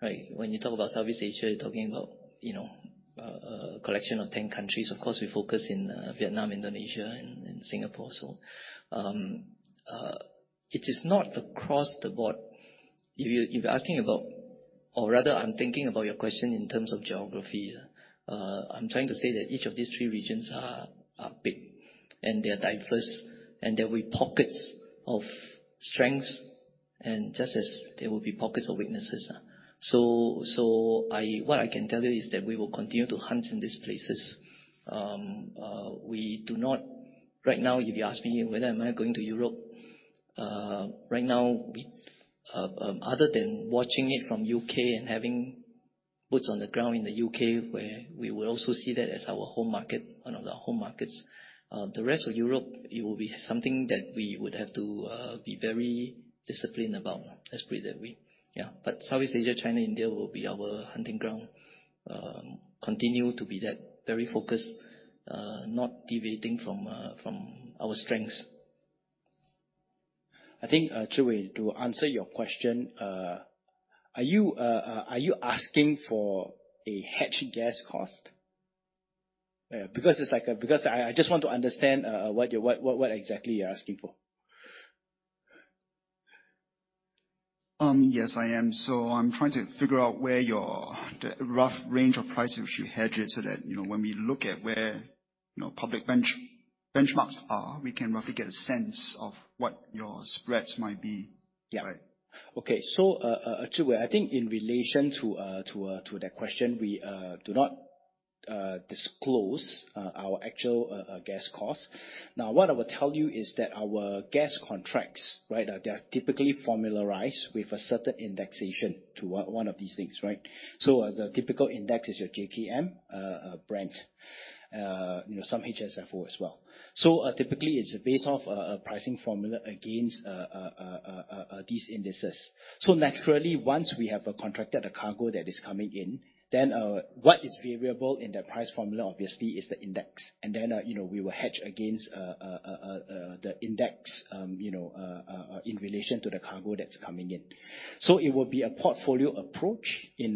right? When you talk about Southeast Asia, you're talking about, you know, a collection of 10 countries. Of course, we focus in Vietnam, Indonesia, and Singapore. It is not across the board. If you, if you're asking about or rather I'm thinking about your question in terms of geography, I'm trying to say that each of these three regions are big and they are diverse, and there will be pockets of strengths and just as there will be pockets of weaknesses. What I can tell you is that we will continue to hunt in these places. We do not. Right now, if you ask me whether am I going to Europe, other than watching it from U.K. and having boots on the ground in the U.K., where we will also see that as our home market, one of the home markets, the rest of Europe, it will be something that we would have to be very disciplined about. Yeah. Southeast Asia, China, India will be our hunting ground. Continue to be that very focused, not deviating from our strengths. I think, Zhiwei, to answer your question, are you asking for a hedged gas cost? Because I just want to understand what exactly you're asking for. Yes, I am. I'm trying to figure out where the rough range of prices you hedged so that, you know, when we look at where, you know, public benchmarks are, we can roughly get a sense of what your spreads might be. Yeah. Right. Okay. Zhiwei, I think in relation to that question, we do not disclose our actual gas cost. Now, what I will tell you is that our gas contracts, right, they are typically formularized with a certain indexation to one of these things, right? The typical index is your JKM, Brent, you know, some HSFO as well. Typically, it's based off a pricing formula against these indices. Naturally, once we have contracted the cargo that is coming in, then what is variable in that price formula obviously is the index. Then, you know, we will hedge against the index, you know, in relation to the cargo that's coming in. It would be a portfolio approach in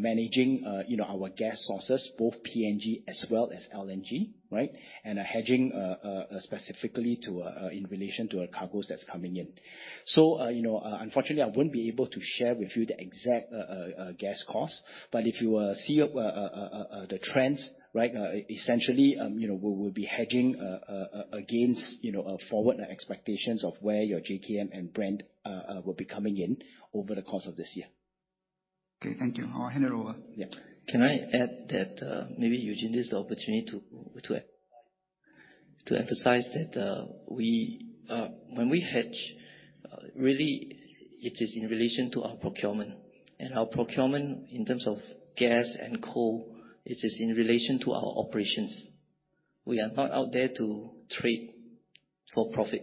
managing, you know, our gas sources, both PNG as well as LNG, right? Hedging specifically in relation to our cargoes that's coming in. You know, unfortunately, I wouldn't be able to share with you the exact gas cost. If you see the trends, right, essentially, you know, we will be hedging against, you know, forward expectations of where your JKM and Brent will be coming in over the course of this year. Okay, thank you. I'll hand it over. Yeah. Can I add that, maybe using this opportunity to emphasize that, when we hedge, really it is in relation to our procurement. Our procurement in terms of gas and coal, it is in relation to our operations. We are not out there to trade for profit,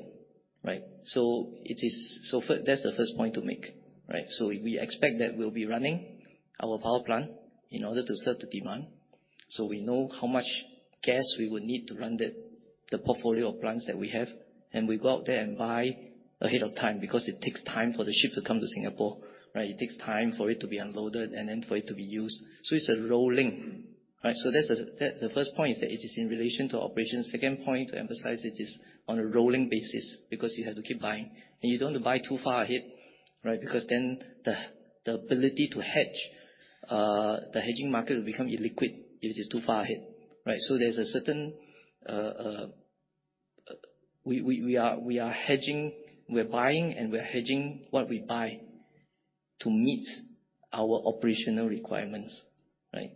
right? That's the first point to make, right? We expect that we'll be running our power plant in order to serve the demand, so we know how much gas we would need to run the portfolio of plants that we have, and we go out there and buy ahead of time because it takes time for the ship to come to Singapore, right? It takes time for it to be unloaded and then for it to be used. It's a rolling, right? That's the first point is that it is in relation to operations. Second point to emphasize, it is on a rolling basis because you have to keep buying and you don't buy too far ahead, right? Because then the ability to hedge the hedging market will become illiquid if it is too far ahead, right? We are hedging, we're buying and we are hedging what we buy to meet our operational requirements, right?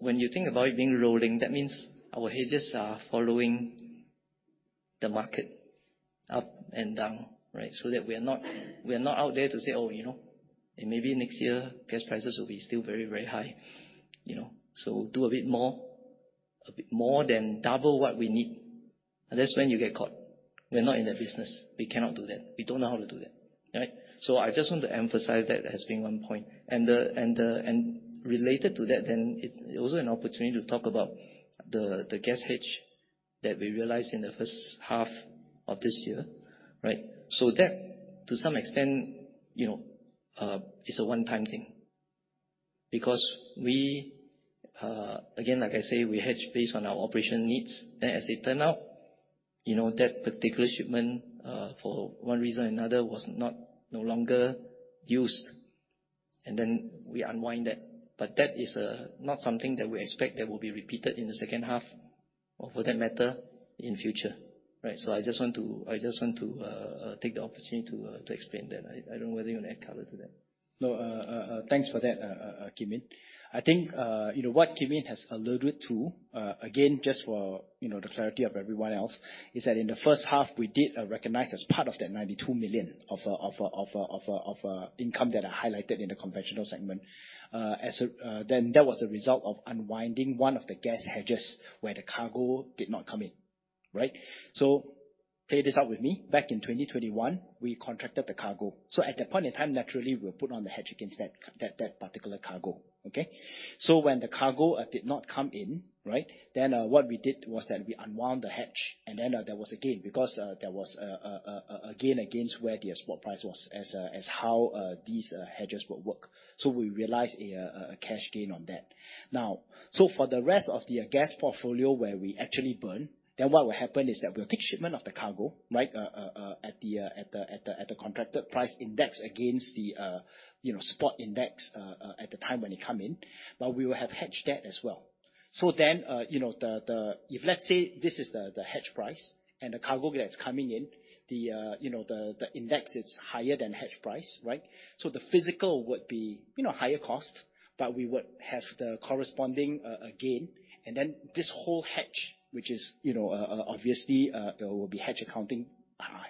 When you think about it being rolling, that means our hedges are following the market up and down, right? That we're not out there to say, "Oh, you know, and maybe next year gas prices will be still very, very high, you know, so do a bit more, a bit more than double what we need." That's when you get caught. We're not in that business. We cannot do that. We don't know how to do that. Right? I just want to emphasize that as being one point. Related to that, then it's also an opportunity to talk about the gas hedge that we realized in the first half of this year, right? That to some extent, you know, is a one-time thing because we, again, like I say, we hedge based on our operational needs. As it turn out, you know, that particular shipment, for one reason or another was not no longer used, and then we unwind that. That is not something that we expect that will be repeated in the second half or for that matter in future, right? I just want to take the opportunity to explain that. I don't know whether you wanna add color to that. No. Thanks for that, Kim Yin. I think, you know, what Kim Yin has alluded to, again, just for, you know, the clarity of everyone else, is that in the first half we did recognize as part of that 92 million of income that I highlighted in the conventional segment. That was a result of unwinding one of the gas hedges where the cargo did not come in, right? Play this out with me. Back in 2021, we contracted the cargo. At that point in time, naturally, we put on the hedge against that particular cargo. Okay? When the cargo did not come in, right, then what we did was that we unwound the hedge, and then there was a gain because there was a gain against where the export price was as how these hedges would work. We realized a cash gain on that. For the rest of the gas portfolio where we actually burn, then what will happen is that we'll take shipment of the cargo, right, at the contracted price index against the you know spot index at the time when they come in, but we will have hedged that as well. You know, the If let's say this is the hedge price and the cargo that's coming in, you know, the index is higher than hedge price, right? The physical would be, you know, higher cost, but we would have the corresponding gain. Then this whole hedge, which is, you know, obviously, there will be hedge accounting,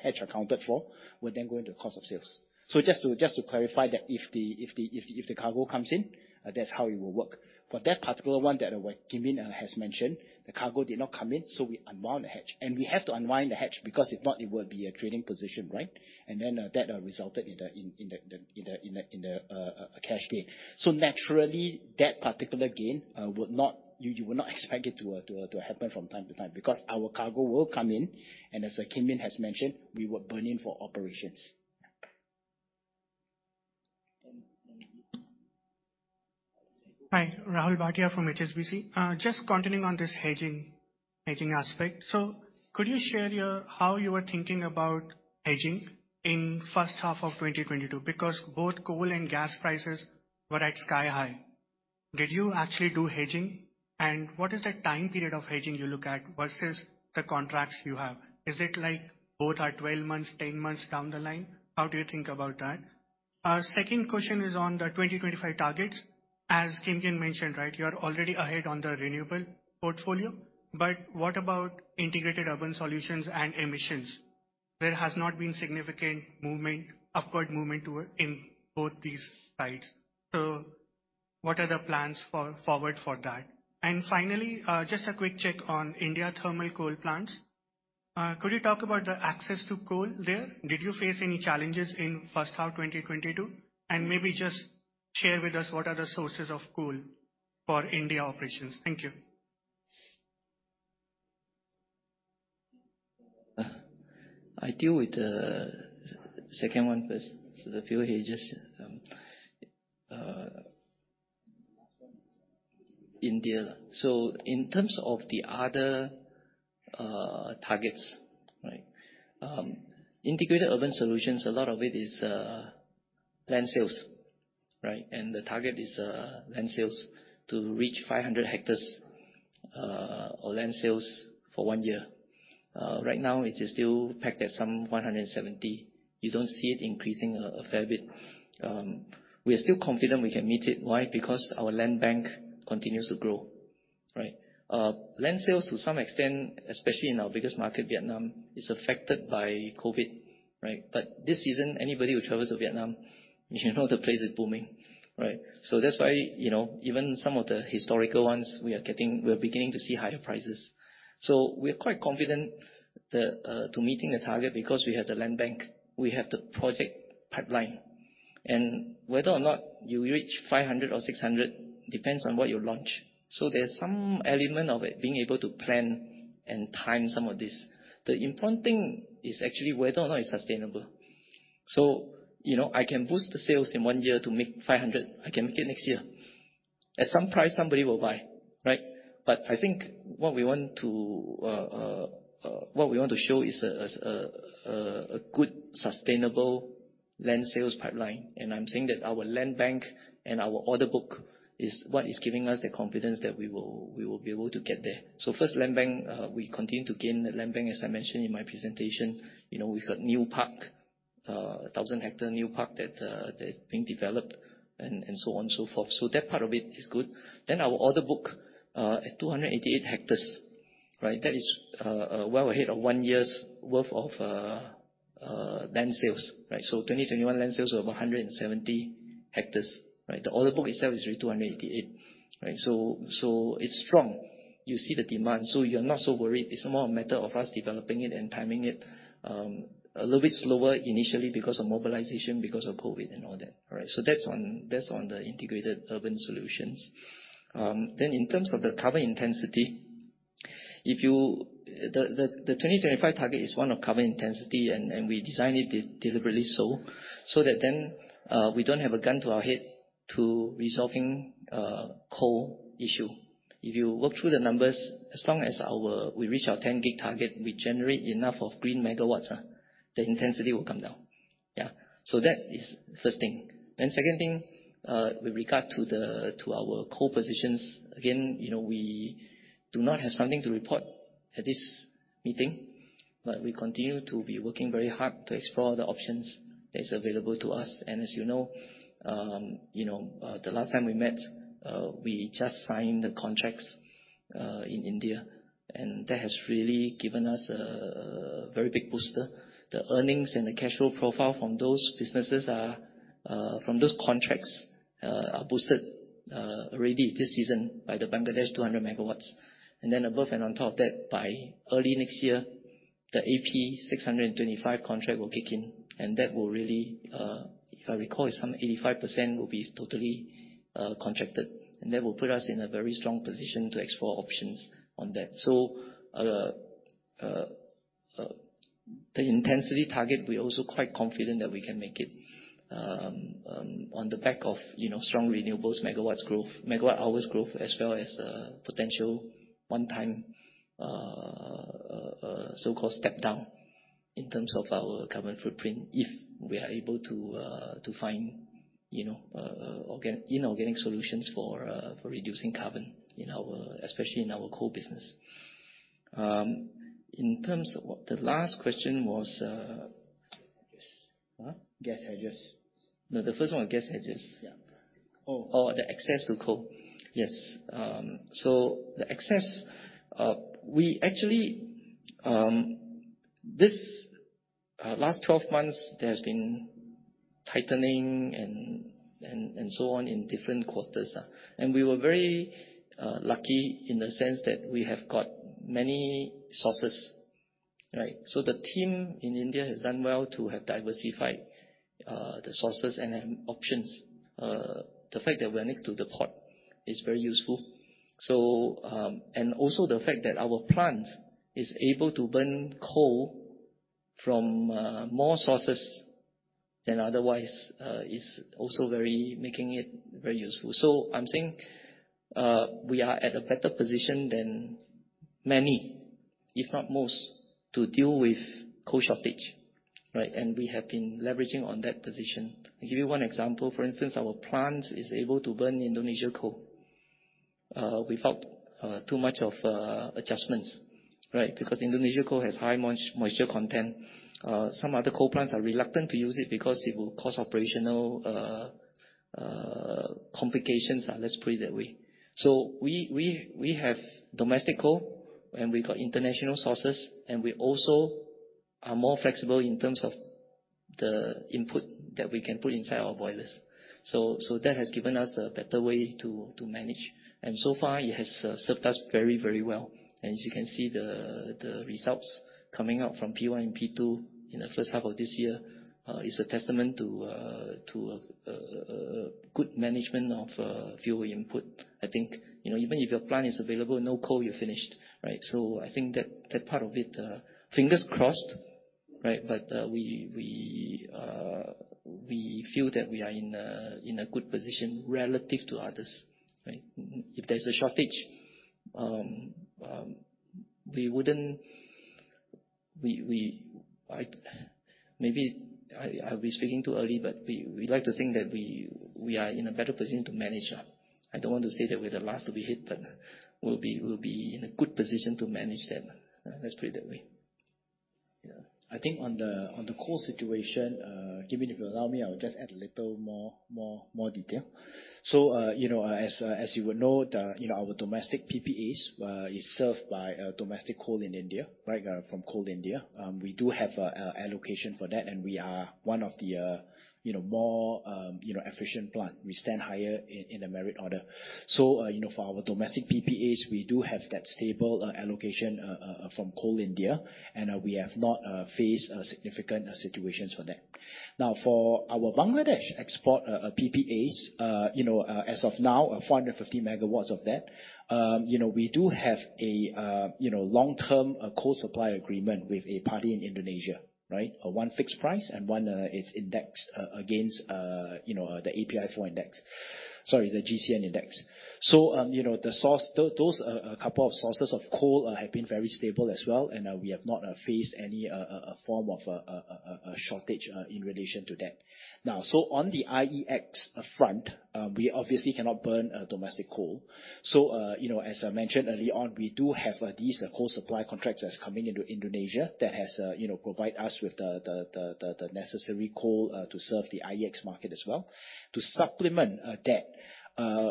hedge accounted for, would then go into cost of sales. Just to clarify that if the cargo comes in, that's how it will work. For that particular one that Kim Yin has mentioned, the cargo did not come in, so we unwind the hedge. We have to unwind the hedge because if not, it would be a trading position, right? That resulted in the cash gain. Naturally, that particular gain would not. You would not expect it to happen from time to time because our cargo will come in, and as Kim Yin has mentioned, we were burning for operations. Hi. Rahul Bhatia from HSBC. Just continuing on this hedging aspect. Could you share how you were thinking about hedging in first half of 2022? Both coal and gas prices were sky high. Did you actually do hedging? What is the time period of hedging you look at versus the contracts you have? Is it like both are 12 months, 10 months down the line? How do you think about that? Second question is on the 2025 targets. As Kim Yin mentioned, right, you're already ahead on the renewable portfolio, but what about integrated urban solutions and emissions? There has not been significant movement, upward movement to it in both these sides. What are the plans going forward for that? Finally, just a quick check on India thermal coal plants. Could you talk about the access to coal there? Did you face any challenges in first half 2022? Maybe just share with us what are the sources of coal for India operations. Thank you. I deal with the second one first. The fuel hedges, India. In terms of the other targets, right? Integrated urban solutions, a lot of it is, land sales, right? The target is, land sales to reach 500 hectares, or land sales for one year. Right now it is still pegged at some 170. You don't see it increasing a fair bit. We are still confident we can meet it. Why? Because our land bank continues to grow, right? Land sales to some extent, especially in our biggest market, Vietnam, is affected by COVID, right? This season, anybody who travels to Vietnam, you know the place is booming, right? That's why, you know, even some of the historical ones we are getting. We are beginning to see higher prices. We're quite confident to meeting the target because we have the land bank, we have the project pipeline. Whether or not you reach 500 or 600 depends on what you launch. There's some element of it being able to plan and time some of this. The important thing is actually whether or not it's sustainable. You know, I can boost the sales in one year to make 500. I can make it next year. At some price, somebody will buy, right? But I think what we want to show is a good sustainable land sales pipeline. I'm saying that our land bank and our order book is what is giving us the confidence that we will be able to get there. First, land bank, we continue to gain the land bank. As I mentioned in my presentation, we've got new park, a thousand hectare new park that is being developed and so on and so forth. That part of it is good. Our order book at 288 hectares, right? That is well ahead of one year's worth of land sales, right? 2021 land sales were over 170 hectares, right? The order book itself is already 288, right? It's strong. You see the demand, so you're not so worried. It's more a matter of us developing it and timing it a little bit slower initially because of mobilization, because of COVID and all that, right? That's on the integrated urban solutions. In terms of the carbon intensity, if you. The 2025 target is on carbon intensity, and we designed it deliberately so that we don't have a gun to our head to resolving the coal issue. If you work through the numbers, as long as we reach our 10 gig target, we generate enough green megawatts, the intensity will come down. Yeah. That is first thing. Second thing, with regard to our coal positions, again, you know, we do not have something to report at this meeting, but we continue to be working very hard to explore the options that is available to us. As you know, you know, the last time we met, we just signed the contracts in India, and that has really given us a very big boost. The earnings and the cash flow profile from those contracts are boosted really this season by the Bangladesh 200 MW. Then above and on top of that, by early next year, the AP 625 contract will kick in, and that will really, if I recall, it's some 85% will be totally contracted, and that will put us in a very strong position to explore options on that. The intensity target, we're also quite confident that we can make it, on the back of, you know, strong renewables, megawatts growth, megawatt hours growth, as well as, potential one-time, so-called step down in terms of our carbon footprint, if we are able to find, you know, inorganic solutions for reducing carbon in our, especially in our coal business. In terms of what. The last question was, Gas hedges. Huh? Gas hedges. No, the first one was gas hedges. Yeah. Oh. Oh, the access to coal. Yes. So the access, we actually, this, last 12 months, there has been tightening and so on in different quarters. We were very lucky in the sense that we have got many sources, right? The team in India has done well to have diversified the sources and options. The fact that we're next to the port is very useful. The fact that our plant is able to burn coal from more sources than otherwise is also very making it very useful. I'm saying we are at a better position than many, if not most, to deal with coal shortage, right? We have been leveraging on that position. I'll give you one example. For instance, our plant is able to burn Indonesia coal without too much of adjustments, right? Because Indonesia coal has high moisture content. Some other coal plants are reluctant to use it because it will cause operational complications. Let's put it that way. We have domestic coal, and we've got international sources, and we also are more flexible in terms of the input that we can put inside our boilers. That has given us a better way to manage. So far, it has served us very well. As you can see the results coming out from P1 and P2 in the first half of this year is a testament to good management of fuel input. I think, you know, even if your plant is available, no coal, you're finished, right? I think that part of it, fingers crossed, right? We feel that we are in a good position relative to others, right? If there's a shortage, maybe I'll be speaking too early, but we like to think that we are in a better position to manage that. I don't want to say that we're the last to be hit, but we'll be in a good position to manage them. Let's put it that way. I think on the coal situation, given you've allow me, I will just add a little more detail. You know, as you would know, you know, our domestic PPAs is served by domestic coal in India, right? From Coal India. We do have allocation for that, and we are one of the you know, more you know, efficient plant. We stand higher in a merit order. You know, for our domestic PPAs, we do have that stable allocation from Coal India, and we have not faced a significant situations for that. Now, for our Bangladesh export PPAs, you know, as of now, 450 MW of that, you know, we do have a long-term coal supply agreement with a party in Indonesia, right? One fixed price and one is indexed against, you know, the API4 index. Sorry, the GCV index. You know, those, a couple of sources of coal have been very stable as well, and we have not faced any form of a shortage in relation to that. Now, on the IEX front, we obviously cannot burn domestic coal. You know, as I mentioned early on, we do have these coal supply contracts that's coming into Indonesia that has, you know, provide us with the necessary coal to serve the IEX market as well. To supplement that,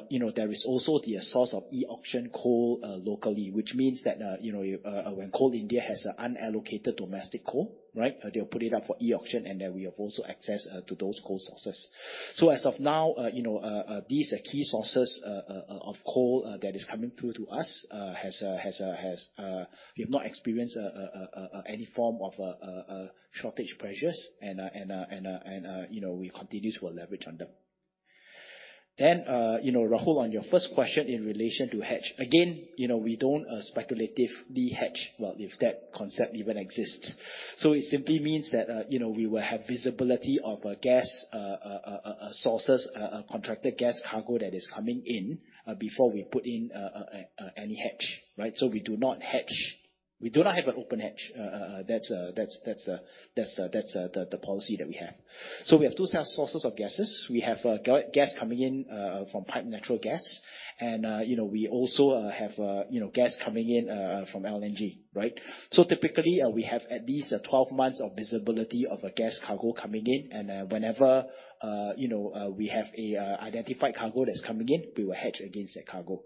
you know, there is also the source of e-auction coal locally, which means that you know, when coal India has unallocated domestic coal, they put it up for e-auction and we've also access to those coal sources, these are key sources of coal that is coming through to us. We have not experienced any form of shortage pressures and, you know, we continue to leverage on them. You know, Rahul, on your first question in relation to hedge. Again, you know, we don't speculatively hedge, well, if that concept even exists. It simply means that, you know, we will have visibility of gas sources, contracted gas cargo that is coming in, before we put in any hedge, right? We do not hedge. We do not have an open hedge. That's the policy that we have. We have two sources of gases. We have gas coming in from piped natural gas and, you know, we also have, you know, gas coming in from LNG, right? Typically we have at least 12 months of visibility of a gas cargo coming in. Whenever, you know, we have an identified cargo that's coming in, we will hedge against that cargo.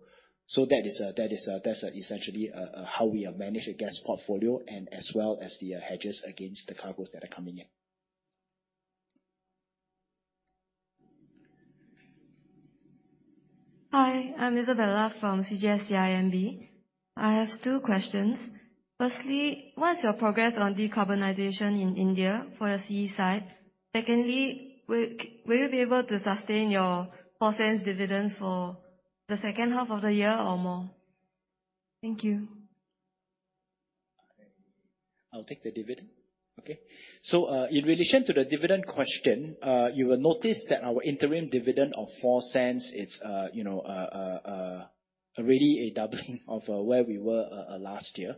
That's essentially how we manage the gas portfolio and as well as the hedges against the cargos that are coming in. Hi, I'm Izabella from CGS-CIMB. I have two questions. Firstly, what is your progress on decarbonization in India for your CE side? Secondly, will you be able to sustain your 0.04 dividends for the second half of the year or more? Thank you. I'll take the dividend. Okay. In relation to the dividend question, you will notice that our interim dividend of 0.04, it's, you know, really a doubling of where we were last year,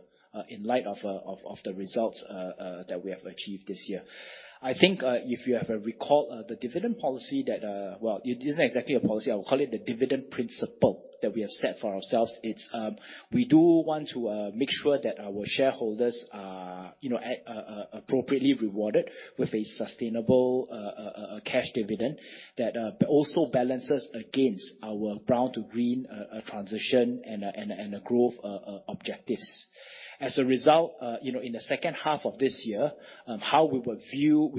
in light of the results that we have achieved this year. I think, if you have a recall, the dividend policy that, well, it isn't exactly a policy. I would call it the dividend principle that we have set for ourselves. It's, we do want to make sure that our shareholders are, you know, appropriately rewarded with a sustainable cash dividend that, but also balances against our brown to green transition and growth objectives. As a result, you know, in the second half of this year, how we would view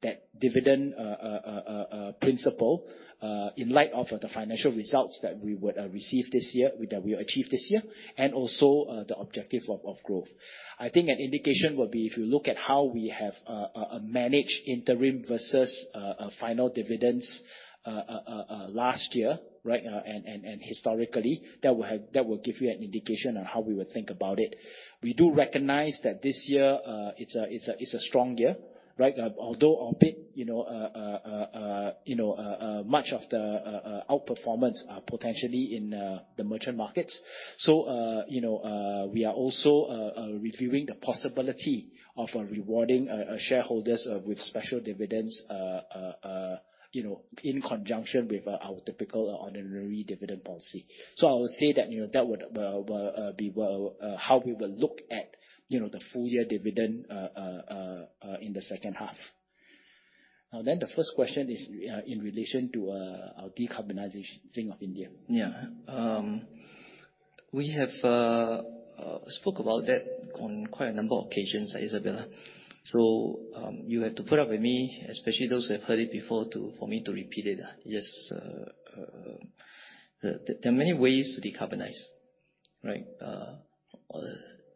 that dividend policy in light of the financial results that we would receive this year that we achieved this year, and also the objective of growth. I think an indication would be if you look at how we have managed interim versus final dividends last year, right? Historically that will give you an indication on how we would think about it. We do recognize that this year, it's a strong year, right? Although a bit, you know, you know, much of the outperformance potentially in the merchant markets. You know, we are also reviewing the possibility of rewarding shareholders with special dividends, you know, in conjunction with our typical ordinary dividend policy. I would say that, you know, that would be how we will look at, you know, the full year dividend in the second half. The first question is in relation to our decarbonization of India. Yeah. We have spoke about that on quite a number of occasions, Izabella. You have to put up with me, especially those who have heard it before, for me to repeat it. Yes, there are many ways to decarbonize, right?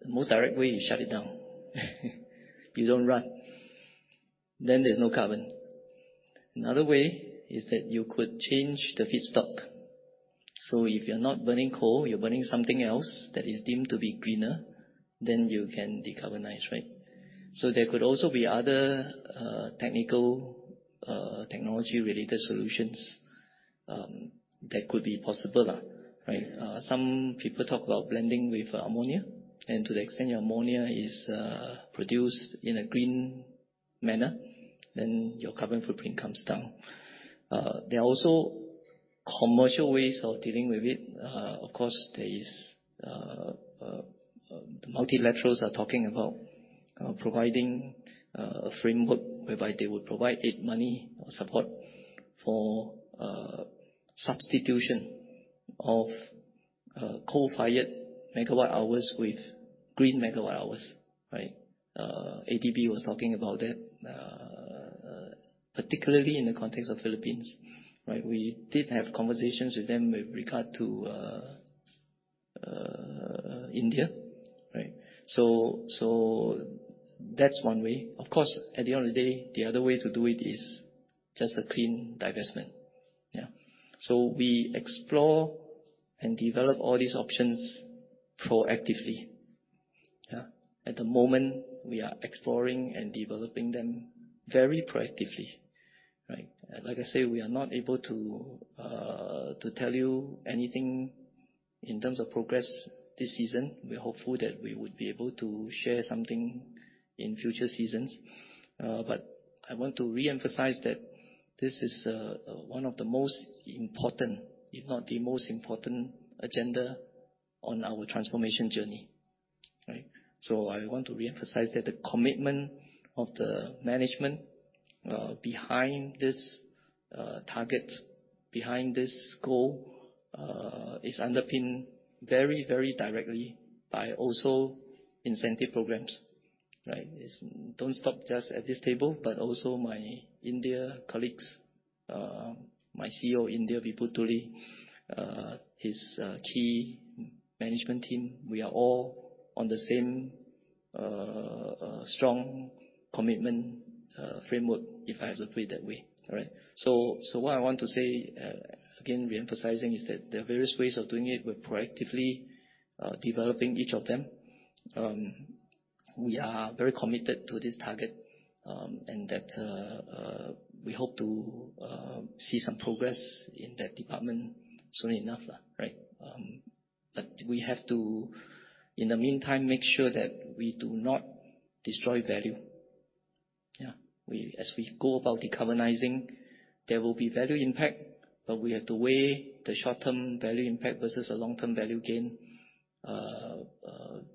The most direct way, you shut it down. You don't run, then there's no carbon. Another way is that you could change the feedstock. If you're not burning coal, you're burning something else that is deemed to be greener, then you can decarbonize, right? There could also be other, technical, technology-related solutions that could be possible, right? Some people talk about blending with ammonia, and to the extent your ammonia is produced in a green manner, then your carbon footprint comes down. There are also commercial ways of dealing with it. Of course, multilaterals are talking about providing a framework whereby they would provide aid money or support for substitution of coal-fired megawatt-hours with green megawatt-hours, right? ADB was talking about that, particularly in the context of Philippines, right? We did have conversations with them with regard to India, right? That's one way. Of course, at the end of the day, the other way to do it is just a clean divestment. Yeah. We explore and develop all these options proactively. Yeah. At the moment, we are exploring and developing them very proactively, right? Like I say, we are not able to tell you anything in terms of progress this season. We're hopeful that we would be able to share something in future seasons. I want to re-emphasize that this is one of the most important, if not the most important agenda on our transformation journey. Right. I want to re-emphasize that the commitment of the management behind this target, behind this goal, is underpinned very, very directly by also incentive programs. Right. It doesn't stop just at this table, but also my India colleagues, my CEO India, Vipul Tuli, his key management team. We are all on the same strong commitment framework, if I have to put it that way. All right. What I want to say again, re-emphasizing, is that there are various ways of doing it. We're proactively developing each of them. We are very committed to this target and that we hope to see some progress in that department soon enough, right? We have to, in the meantime, make sure that we do not destroy value. Yeah. As we go about decarbonizing, there will be value impact, but we have to weigh the short-term value impact versus the long-term value gain,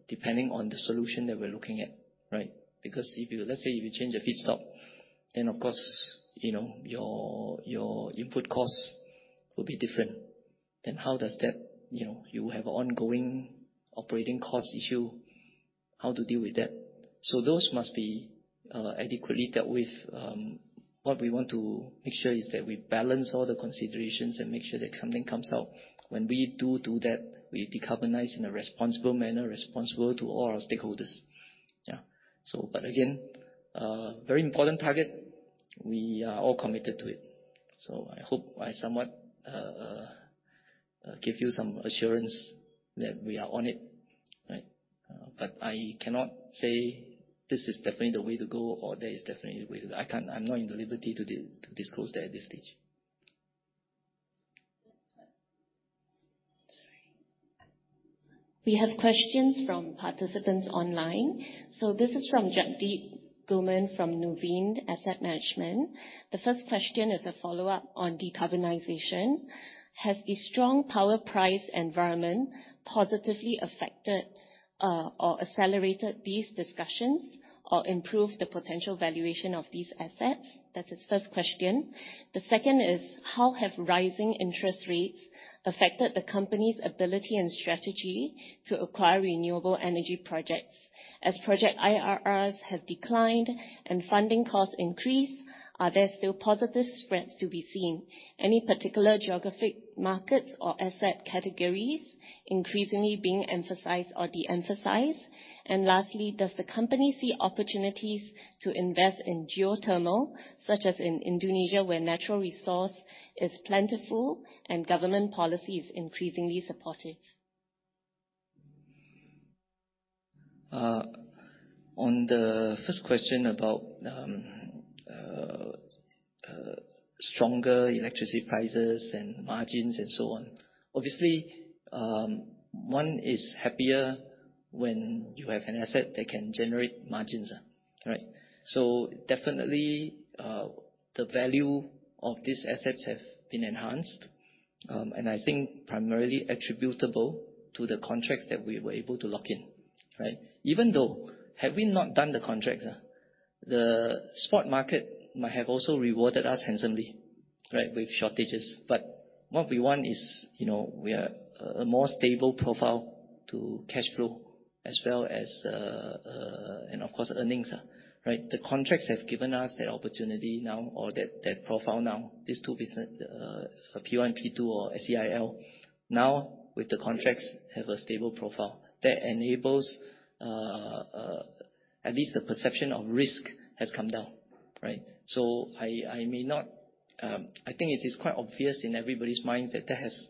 depending on the solution that we're looking at, right? Because let's say if you change a feedstock, then of course, you know, your input costs will be different. Then how does that, you know, you have ongoing operating cost issue, how to deal with that. Those must be adequately dealt with. What we want to make sure is that we balance all the considerations and make sure that something comes out. When we do that, we decarbonize in a responsible manner, responsible to all our stakeholders. Yeah. Again, very important target. We are all committed to it. I hope I somewhat give you some assurance that we are on it, right? I cannot say this is definitely the way to go or there is definitely a way. I can't. I'm not at liberty to disclose that at this stage. We have questions from participants online. This is from Jagdeep Ghuman from Nuveen Asset Management. The first question is a follow-up on decarbonization. Has a strong power price environment positively affected or accelerated these discussions or improved the potential valuation of these assets? That's his first question. The second is, how have rising interest rates affected the company's ability and strategy to acquire renewable energy projects? As project IRRs have declined and funding costs increase, are there still positive spreads to be seen? Any particular geographic markets or asset categories increasingly being emphasized or de-emphasized? Lastly, does the company see opportunities to invest in geothermal, such as in Indonesia, where natural resource is plentiful and government policy is increasingly supportive? On the first question about stronger electricity prices and margins and so on. Obviously, one is happier when you have an asset that can generate margins. right?. Definitely, the value of these assets have been enhanced, and I think primarily attributable to the contracts that we were able to lock in. Right. Even though, had we not done the contract, the spot market might have also rewarded us handsomely, right, with shortages. What we want is, you know, we want a more stable profile to cash flow as well as, and of course, earnings. Right. The contracts have given us that opportunity now or that profile now. These two business, P1, P2 or SEIL now with the contracts have a stable profile that enables at least the perception of risk has come down. Right. I think it is quite obvious in everybody's mind that that has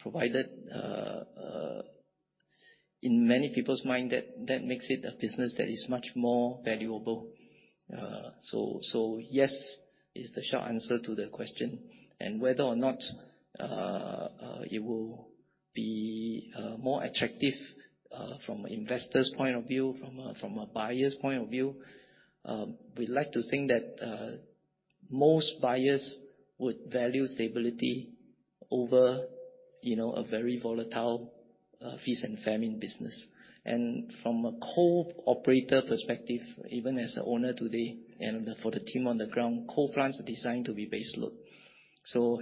provided. In many people's mind that makes it a business that is much more valuable. Yes is the short answer to the question. Whether or not it will be more attractive from an investor's point of view, from a buyer's point of view, we like to think that most buyers would value stability over, you know, a very volatile feast and famine business. From a coal operator perspective, even as the owner today and for the team on the ground, coal plants are designed to be base load.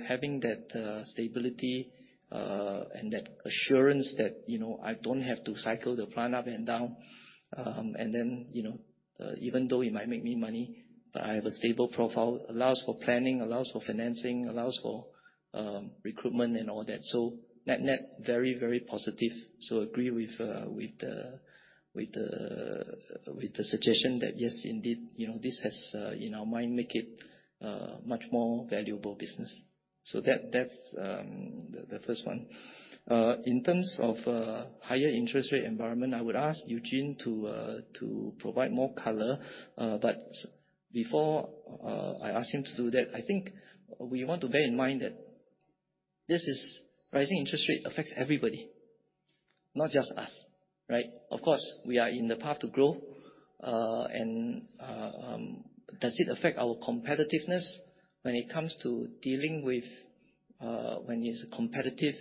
Having that stability and that assurance that, you know, I don't have to cycle the plant up and down, and then, you know, even though it might make me money, but I have a stable profile, allows for planning, allows for financing, allows for recruitment and all that. Net net, very, very positive. Agree with the suggestion that, yes, indeed, you know, this has in our mind make it much more valuable business. That, that's the first one. In terms of higher interest rate environment, I would ask Eugene to provide more color. Before I ask him to do that, I think we want to bear in mind that this is rising interest rate affects everybody, not just us, right? Of course, we are in the path to grow. Does it affect our competitiveness when it comes to dealing with when it's a competitive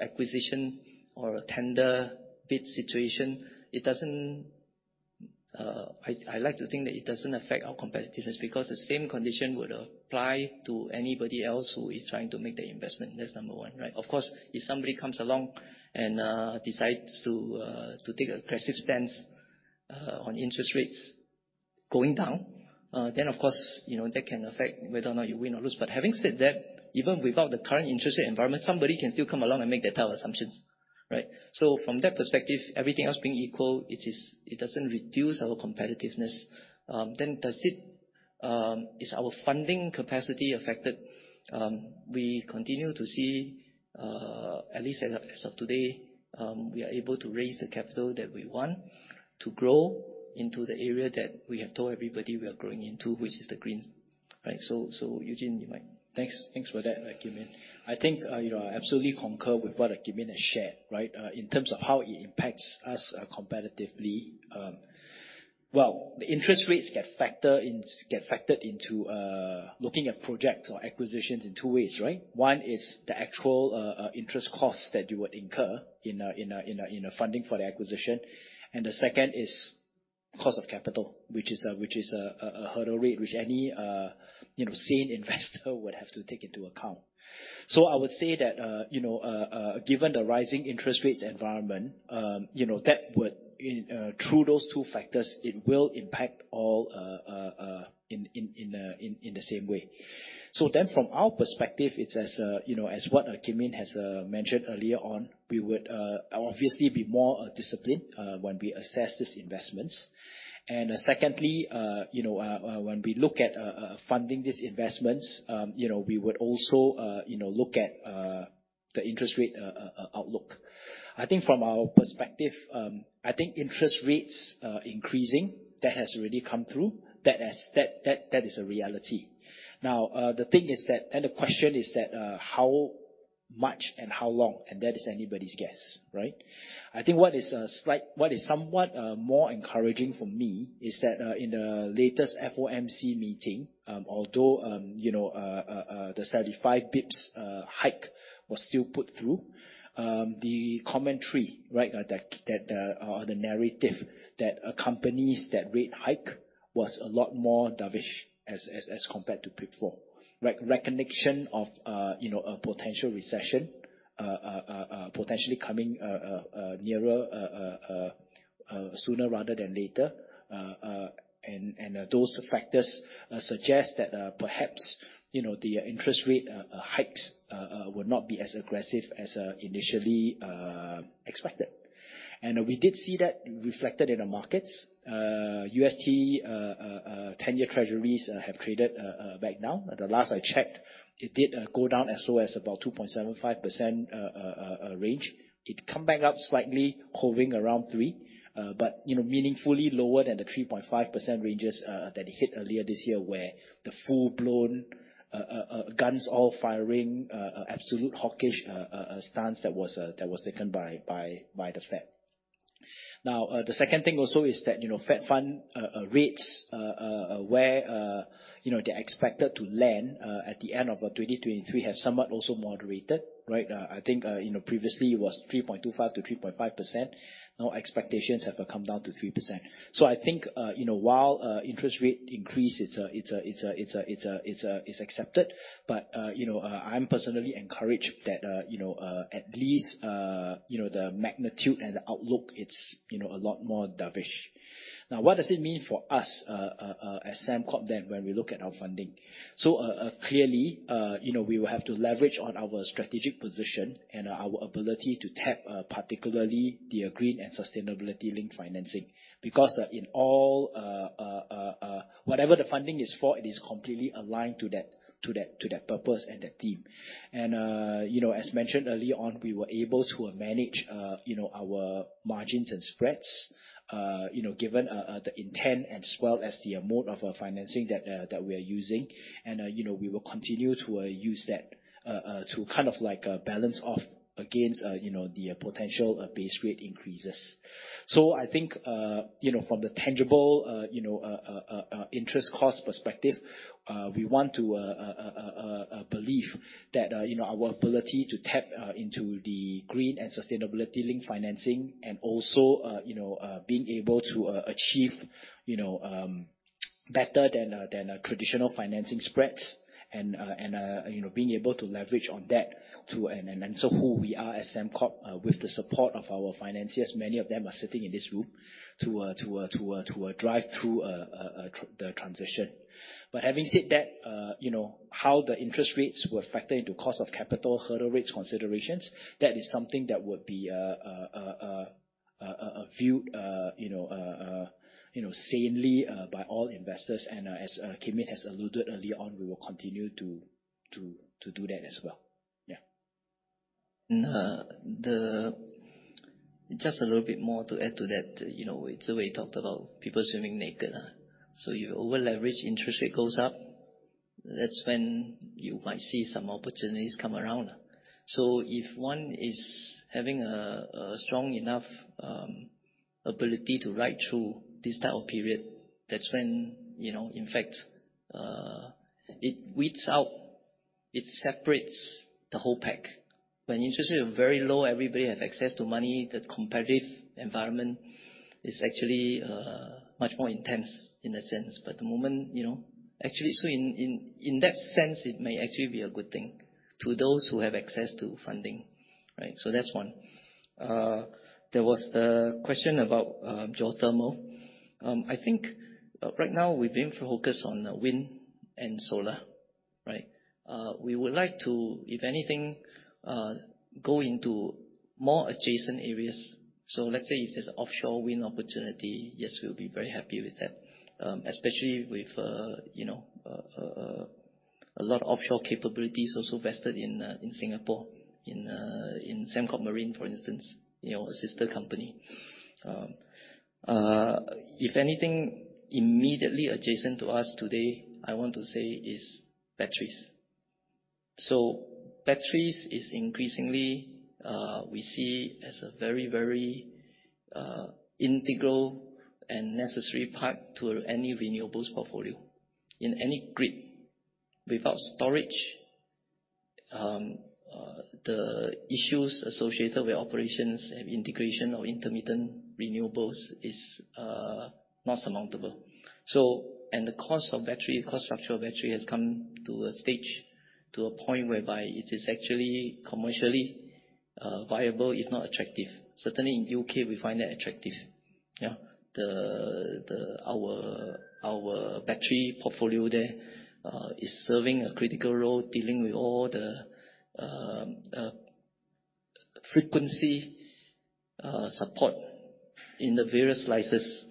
acquisition or a tender bid situation? It doesn't. I like to think that it doesn't affect our competitiveness because the same condition would apply to anybody else who is trying to make the investment. That's number one, right? Of course, if somebody comes along and decides to take an aggressive stance on interest rates going down, then of course, you know, that can affect whether or not you win or lose. Having said that, even without the current interest rate environment, somebody can still come along and make that our assumptions, right? From that perspective, everything else being equal, it doesn't reduce our competitiveness. Is our funding capacity affected? We continue to see, at least as of today, we are able to raise the capital that we want to grow into the area that we have told everybody we are growing into, which is the green. Right. Eugene, you might. Thanks. Thanks for that, Wong Kim Yin. I think, you know, I absolutely concur with what Wong Kim Yin has shared, right? In terms of how it impacts us, competitively. Well, the interest rates get factored into looking at projects or acquisitions in two ways, right? One is the actual interest costs that you would incur in a funding for the acquisition. The second is cost of capital, which is a hurdle rate, which any, you know, sane investor would have to take into account. I would say that, you know, given the rising interest rates environment, you know, that would, through those two factors, it will impact all in the same way. From our perspective, it's, you know, as Kim Yin has mentioned earlier on, we would obviously be more disciplined when we assess these investments. Secondly, you know, when we look at funding these investments, you know, we would also, you know, look at the interest rate outlook. I think from our perspective, I think interest rates increasing, that has already come through. That has. That is a reality. Now, the thing is that, and the question is that, how much and how long? And that is anybody's guess, right? I think what is a slight. What is somewhat more encouraging for me is that in the latest FOMC meeting, although you know the 75 basis points hike was still put through, the commentary right at that or the narrative that accompanies that rate hike was a lot more dovish as compared to before. Recognition of you know a potential recession potentially coming nearer sooner rather than later. Those factors suggest that perhaps you know the interest rate hikes will not be as aggressive as initially expected. We did see that reflected in the markets. UST 10-year treasuries have traded back down. The last I checked, it did go down as low as about 2.75% range. It come back up slightly, hovering around 3%, but you know, meaningfully lower than the 3.5% ranges that it hit earlier this year, where the full-blown guns all firing absolute hawkish stance that was taken by the Fed. Now, the second thing also is that, you know, Federal Funds rates where you know, they're expected to land at the end of 2023 have somewhat also moderated, right? I think, you know, previously it was 3.25%-3.5%. Now expectations have come down to 3%. I think, you know, while interest rate increase, it's accepted. You know, I'm personally encouraged that, you know, at least you know, the magnitude and the outlook, it's, you know, a lot more dovish. Now, what does it mean for us as Sembcorp then when we look at our funding? Clearly, you know, we will have to leverage on our strategic position and our ability to tap, particularly the green and sustainability link financing. In all, whatever the funding is for, it is completely aligned to that purpose and that theme. You know, as mentioned early on, we were able to manage, you know, our margins and spreads, you know, given the intent and as well as the mode of financing that that we are using. you know, we will continue to use that to kind of like balance off against, you know, the potential base rate increases. I think, you know, from the tangible, you know, interest cost perspective, we want to believe that, you know, our ability to tap into the green and sustainability link financing and also, you know, being able to achieve, you know, better than a traditional financing spreads and, you know, being able to leverage on that to— Who we are as Sembcorp, with the support of our financiers, many of them are sitting in this room to drive through the transition. Having said that, you know, how the interest rates will factor into cost of capital hurdle rates considerations, that is something that would be viewed, you know, sanely by all investors. As Kim Yin has alluded early on, we will continue to do that as well. Yeah. Just a little bit more to add to that. You know, it's the way you talked about people swimming naked. You over-leverage, interest rate goes up, that's when you might see some opportunities come around. If one is having a strong enough ability to ride through this type of period, that's when, you know, in fact, it weeds out, it separates the whole pack. When interest rates are very low, everybody has access to money, the competitive environment is actually much more intense in a sense. But at the moment, you know. Actually, in that sense, it may actually be a good thing to those who have access to funding, right? That's one. There was the question about geothermal. I think right now we've been focused on wind and solar, right? We would like to, if anything, go into more adjacent areas. Let's say if there's offshore wind opportunity, yes, we'll be very happy with that. Especially with, you know, a lot of offshore capabilities also vested in Singapore, in Sembcorp Marine, for instance, you know, a sister company. If anything immediately adjacent to us today, I want to say is batteries. Batteries is increasingly, we see as a very integral and necessary part to any renewables portfolio. In any grid without storage, the issues associated with operations and integration of intermittent renewables is not surmountable. And the cost of battery, cost structure of battery has come to a stage, to a point whereby it is actually commercially viable, if not attractive. Certainly in U.K. we find that attractive. Yeah. Our battery portfolio there is serving a critical role dealing with all the frequency support in the various slices,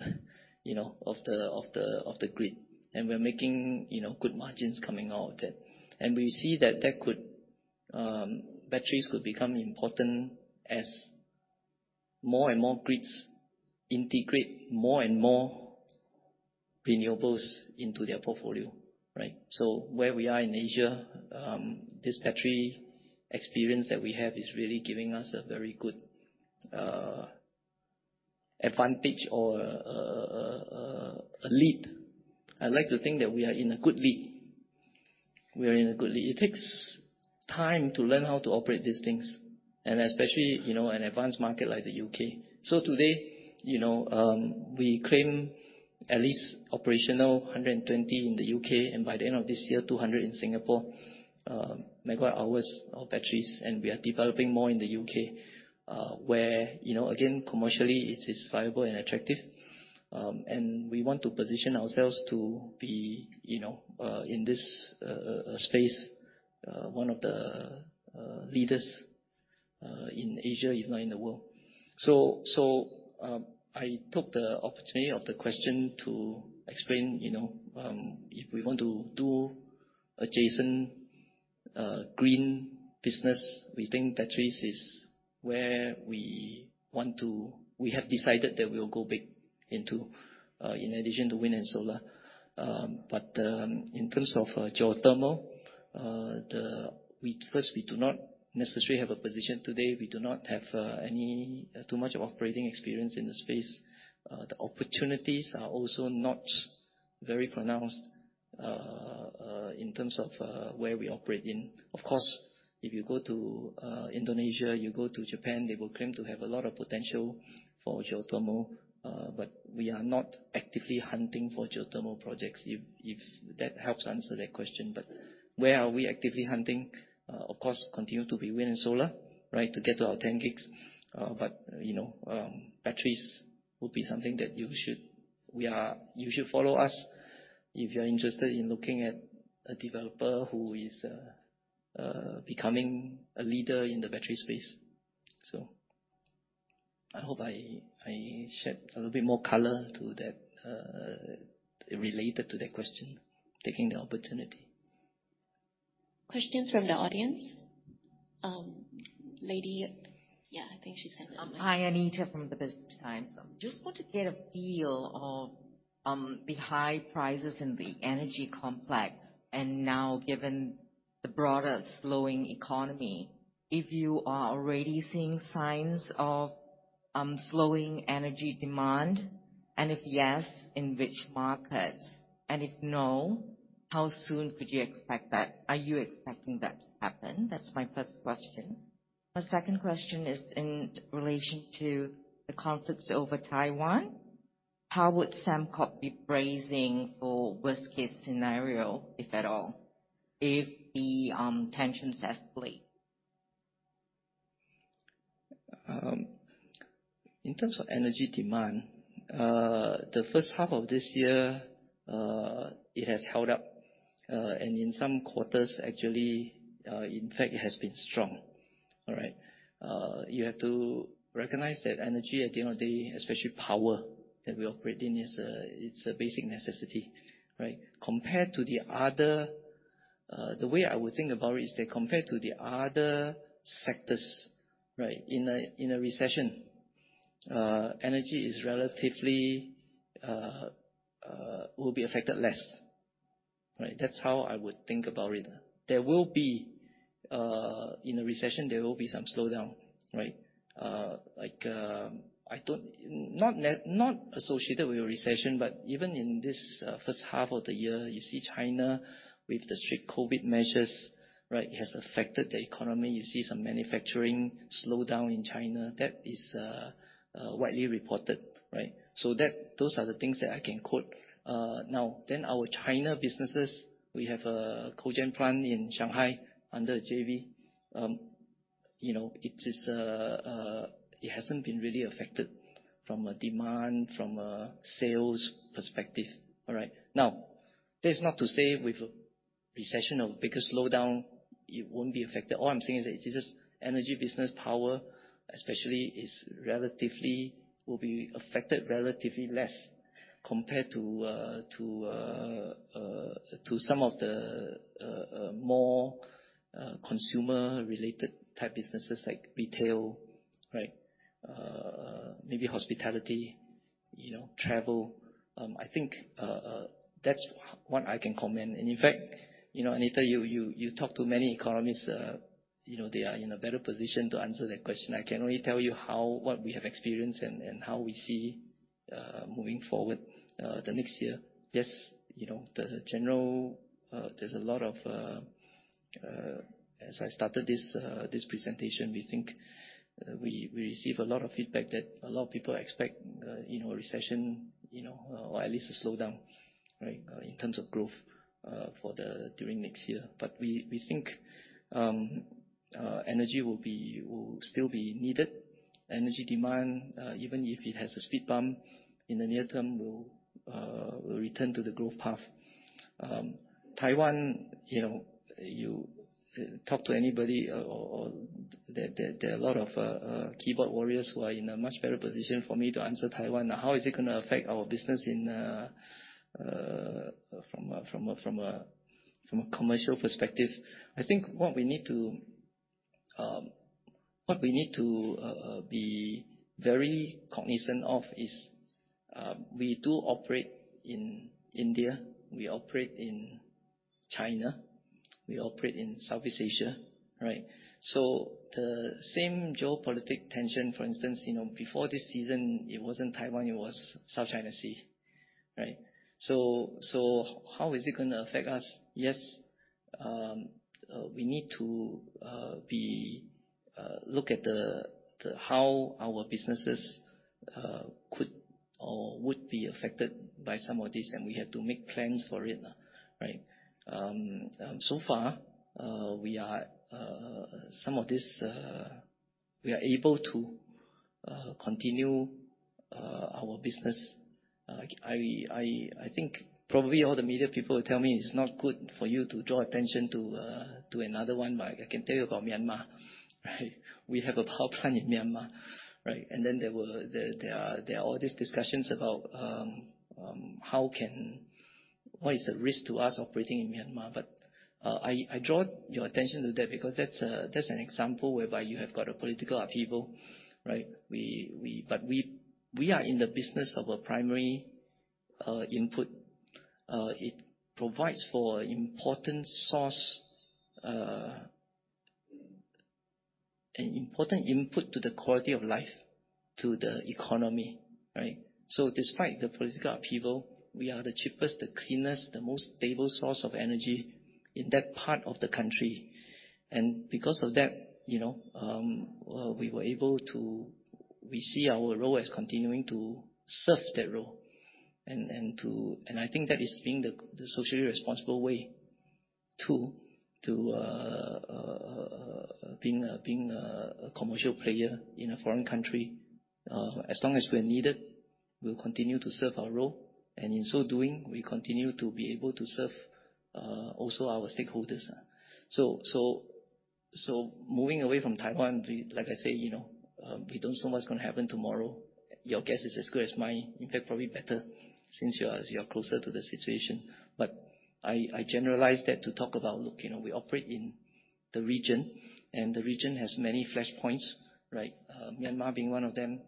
you know, of the grid. We're making good margins coming out of that. We see that batteries could become important as more and more grids integrate more and more renewables into their portfolio, right? Where we are in Asia, this battery experience that we have is really giving us a very good advantage or a lead. I'd like to think that we are in a good lead. It takes time to learn how to operate these things, and especially, you know, an advanced market like the U.K. Today, you know, we claim at least operational 120 in the U.K, and by the end of this year, 200 in Singapore, megawatt hours of batteries. We are developing more in the U.K., where, you know, again, commercially it is viable and attractive. We want to position ourselves to be, you know, in this space, one of the leaders in Asia, if not in the world. I took the opportunity of the question to explain, you know, if we want to do adjacent green business, we think batteries is where we want to. We have decided that we'll go big into, in addition to wind and solar. In terms of geothermal, first, we do not necessarily have a position today. We do not have any too much of operating experience in the space. The opportunities are also not very pronounced in terms of where we operate in. Of course, if you go to Indonesia, you go to Japan, they will claim to have a lot of potential for geothermal. But we are not actively hunting for geothermal projects, if that helps answer that question. Where are we actively hunting? Of course, continue to be wind and solar, right? To get to our 10 gigs. But, you know, batteries will be something that you should follow us if you're interested in looking at a developer who is becoming a leader in the battery space. I hope I shed a little bit more color to that related to that question, taking the opportunity. Questions from the audience. Lady. Yeah, I think she's had. Hi, Anita from The Business Times. Just want to get a feel of the high prices in the energy complex, and now given the broader slowing economy, if you are already seeing signs of slowing energy demand, and if yes, in which markets? And if no, how soon could you expect that? Are you expecting that to happen? That's my first question. My second question is in relation to the conflicts over Taiwan. How would Sembcorp be bracing for worst-case scenario, if at all, if the tensions escalate? In terms of energy demand, the first half of this year, it has held up, and in some quarters actually, in fact it has been strong. All right. You have to recognize that energy, at the end of the day, especially power that we operate in, is. It's a basic necessity, right? The way I would think about it is that compared to the other sectors, right, in a recession, energy is relatively will be affected less. Right? That's how I would think about it. In a recession, there will be some slowdown, right? Like, I don't. Not associated with a recession, but even in this first half of the year, you see China with the strict COVID measures, right, it has affected the economy. You see some manufacturing slowdown in China. That is widely reported, right? Those are the things that I can quote. Our China businesses, we have a cogen plant in Shanghai under a JV. You know, it hasn't been really affected from a demand, from a sales perspective. All right? Now, that is not to say with a recession or bigger slowdown, it won't be affected. All I'm saying is that it is just energy business, power especially, is relatively. will be affected relatively less compared to some of the more consumer-related type businesses like retail, right, maybe hospitality, you know, travel. I think that's one I can comment. In fact, you know, Anita, you talk to many economists, you know, they are in a better position to answer that question. I can only tell you what we have experienced and how we see moving forward the next year. Yes, you know, generally, there's a lot of, as I started this presentation, we think we receive a lot of feedback that a lot of people expect, you know, a recession, you know, or at least a slowdown, right, in terms of growth during next year. We think energy will still be needed. Energy demand, even if it has a speed bump in the near term, will return to the growth path. Taiwan, you know, you talk to anybody or there are a lot of keyboard warriors who are in a much better position for me to answer Taiwan. How is it gonna affect our business from a commercial perspective? I think what we need to be very cognizant of is we do operate in India, we operate in China, we operate in Southeast Asia, right? The same geopolitical tension, for instance, you know, before this season, it wasn't Taiwan, it was South China Sea, right? How is it gonna affect us? Yes, we need to look at how our businesses could or would be affected by some of this, and we have to make plans for it, right? So far, some of this, we are able to continue our business. I think probably all the media people will tell me it's not good for you to draw attention to another one, but I can tell you about Myanmar, right? We have a power plant in Myanmar, right? Then there are all these discussions about what is the risk to us operating in Myanmar? I draw your attention to that because that's an example whereby you have got a political upheaval, right? We are in the business of a primary input. It provides for an important source, an important input to the quality of life to the economy, right? Despite the political upheaval, we are the cheapest, the cleanest, the most stable source of energy in that part of the country. Because of that, you know, we see our role as continuing to serve that role, and I think that is the socially responsible way. To being a commercial player in a foreign country. As long as we're needed, we'll continue to serve our role, and in so doing, we continue to be able to serve also our stakeholders. Moving away from Taiwan, we, like I say, you know, we don't know what's gonna happen tomorrow. Your guess is as good as mine. In fact, probably better since you're closer to the situation. I generalize that to talk about, look, you know, we operate in the region, and the region has many flashpoints, right? Myanmar being one of them.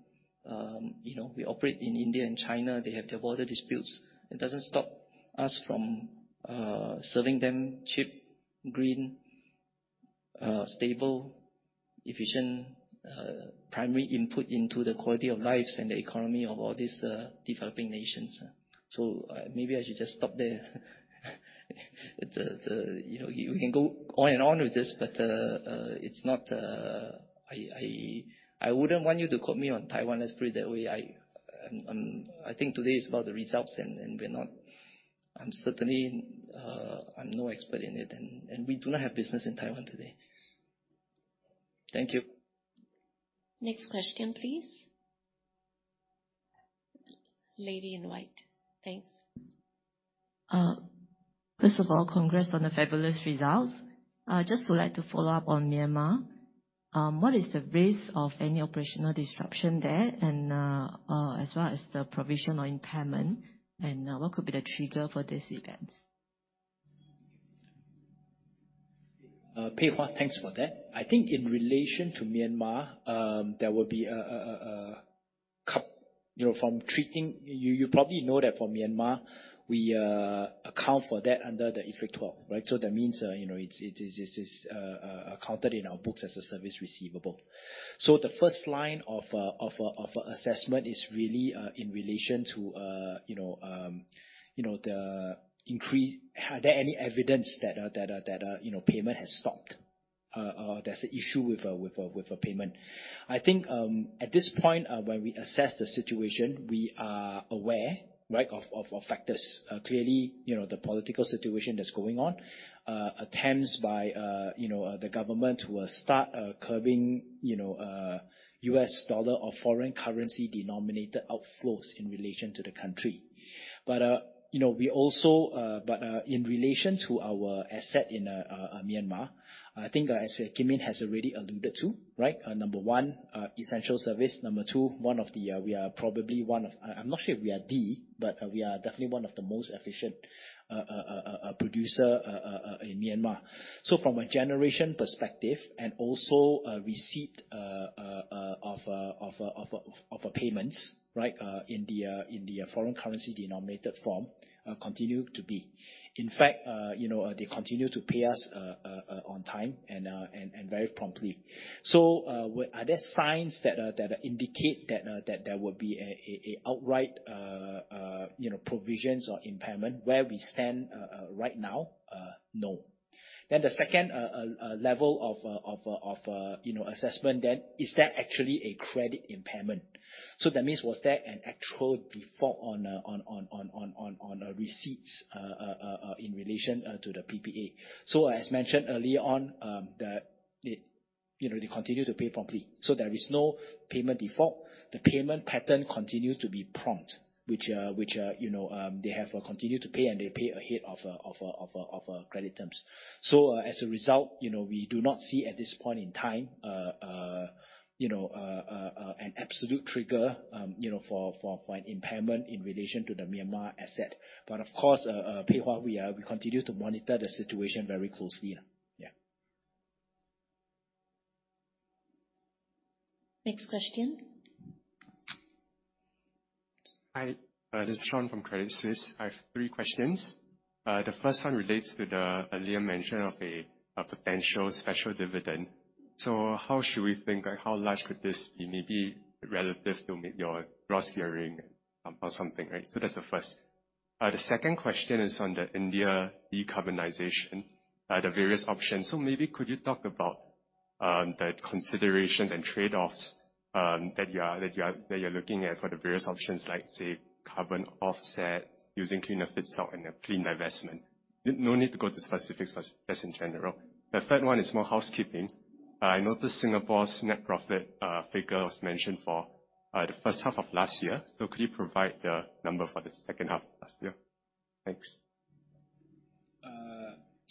You know, we operate in India and China. They have their border disputes. It doesn't stop us from serving them cheap, green, stable, efficient, primary input into the quality of lives and the economy of all these developing nations. Maybe I should just stop there. You know, we can go on and on with this, but I wouldn't want you to quote me on Taiwan, let's put it that way. I think today is about the results, and I'm certainly, I'm no expert in it, and we do not have business in Taiwan today. Thank you. Next question, please. Lady in white. Thanks. First of all, congrats on the fabulous results. Just would like to follow up on Myanmar. What is the risk of any operational disruption there and, as well as the provisional impairment, and, what could be the trigger for these events? Pei Hwa, thanks for that. I think in relation to Myanmar, you probably know that for Myanmar, we account for that under the IFRIC 12, right? So that means, you know, it is accounted in our books as a service receivable. So the first line of assessment is really in relation to, you know, the increase. Are there any evidence that, you know, payment has stopped or there's an issue with a payment. I think at this point, when we assess the situation, we are aware, right, of factors. Clearly, you know, the political situation that's going on, attempts by, you know, the government to start curbing, you know, US dollar or foreign currency denominated outflows in relation to the country. You know, we also in relation to our asset in Myanmar, I think as Wong Kim Yin has already alluded to, right? Number one, essential service. Number two, we are probably one of. I'm not sure if we are the, but we are definitely one of the most efficient producer in Myanmar. From a generation perspective and also receipt of payments, right, in the foreign currency denominated form continue to be. In fact, you know, they continue to pay us on time and very promptly. Are there signs that indicate that there will be a outright, you know, provisions or impairment where we stand right now? No. The second level of assessment is there actually a credit impairment? That means was there an actual default on receipts in relation to the PPA. As mentioned early on, that it, you know, they continue to pay promptly. There is no payment default. The payment pattern continues to be prompt, which you know they have continued to pay and they pay ahead of credit terms. As a result, you know, we do not see at this point in time you know an absolute trigger you know for an impairment in relation to the Myanmar asset. Of course, Pei Hwa, we continue to monitor the situation very closely. Next question. Hi. This is Shaun from Credit Suisse. I have three questions. The first one relates to the earlier mention of a potential special dividend. How should we think? Like, how large could this be, maybe relative to your gross gearing or something, right? That's the first. The second question is on the India decarbonization, the various options. Maybe could you talk about the considerations and trade-offs that you're looking at for the various options, like say carbon offset using cleaner feed stock and a clean divestment. No need to go to specifics, but just in general. The third one is more housekeeping. I noticed Singapore's net profit figure was mentioned for the first half of last year. Could you provide the number for the second half of last year? Thanks.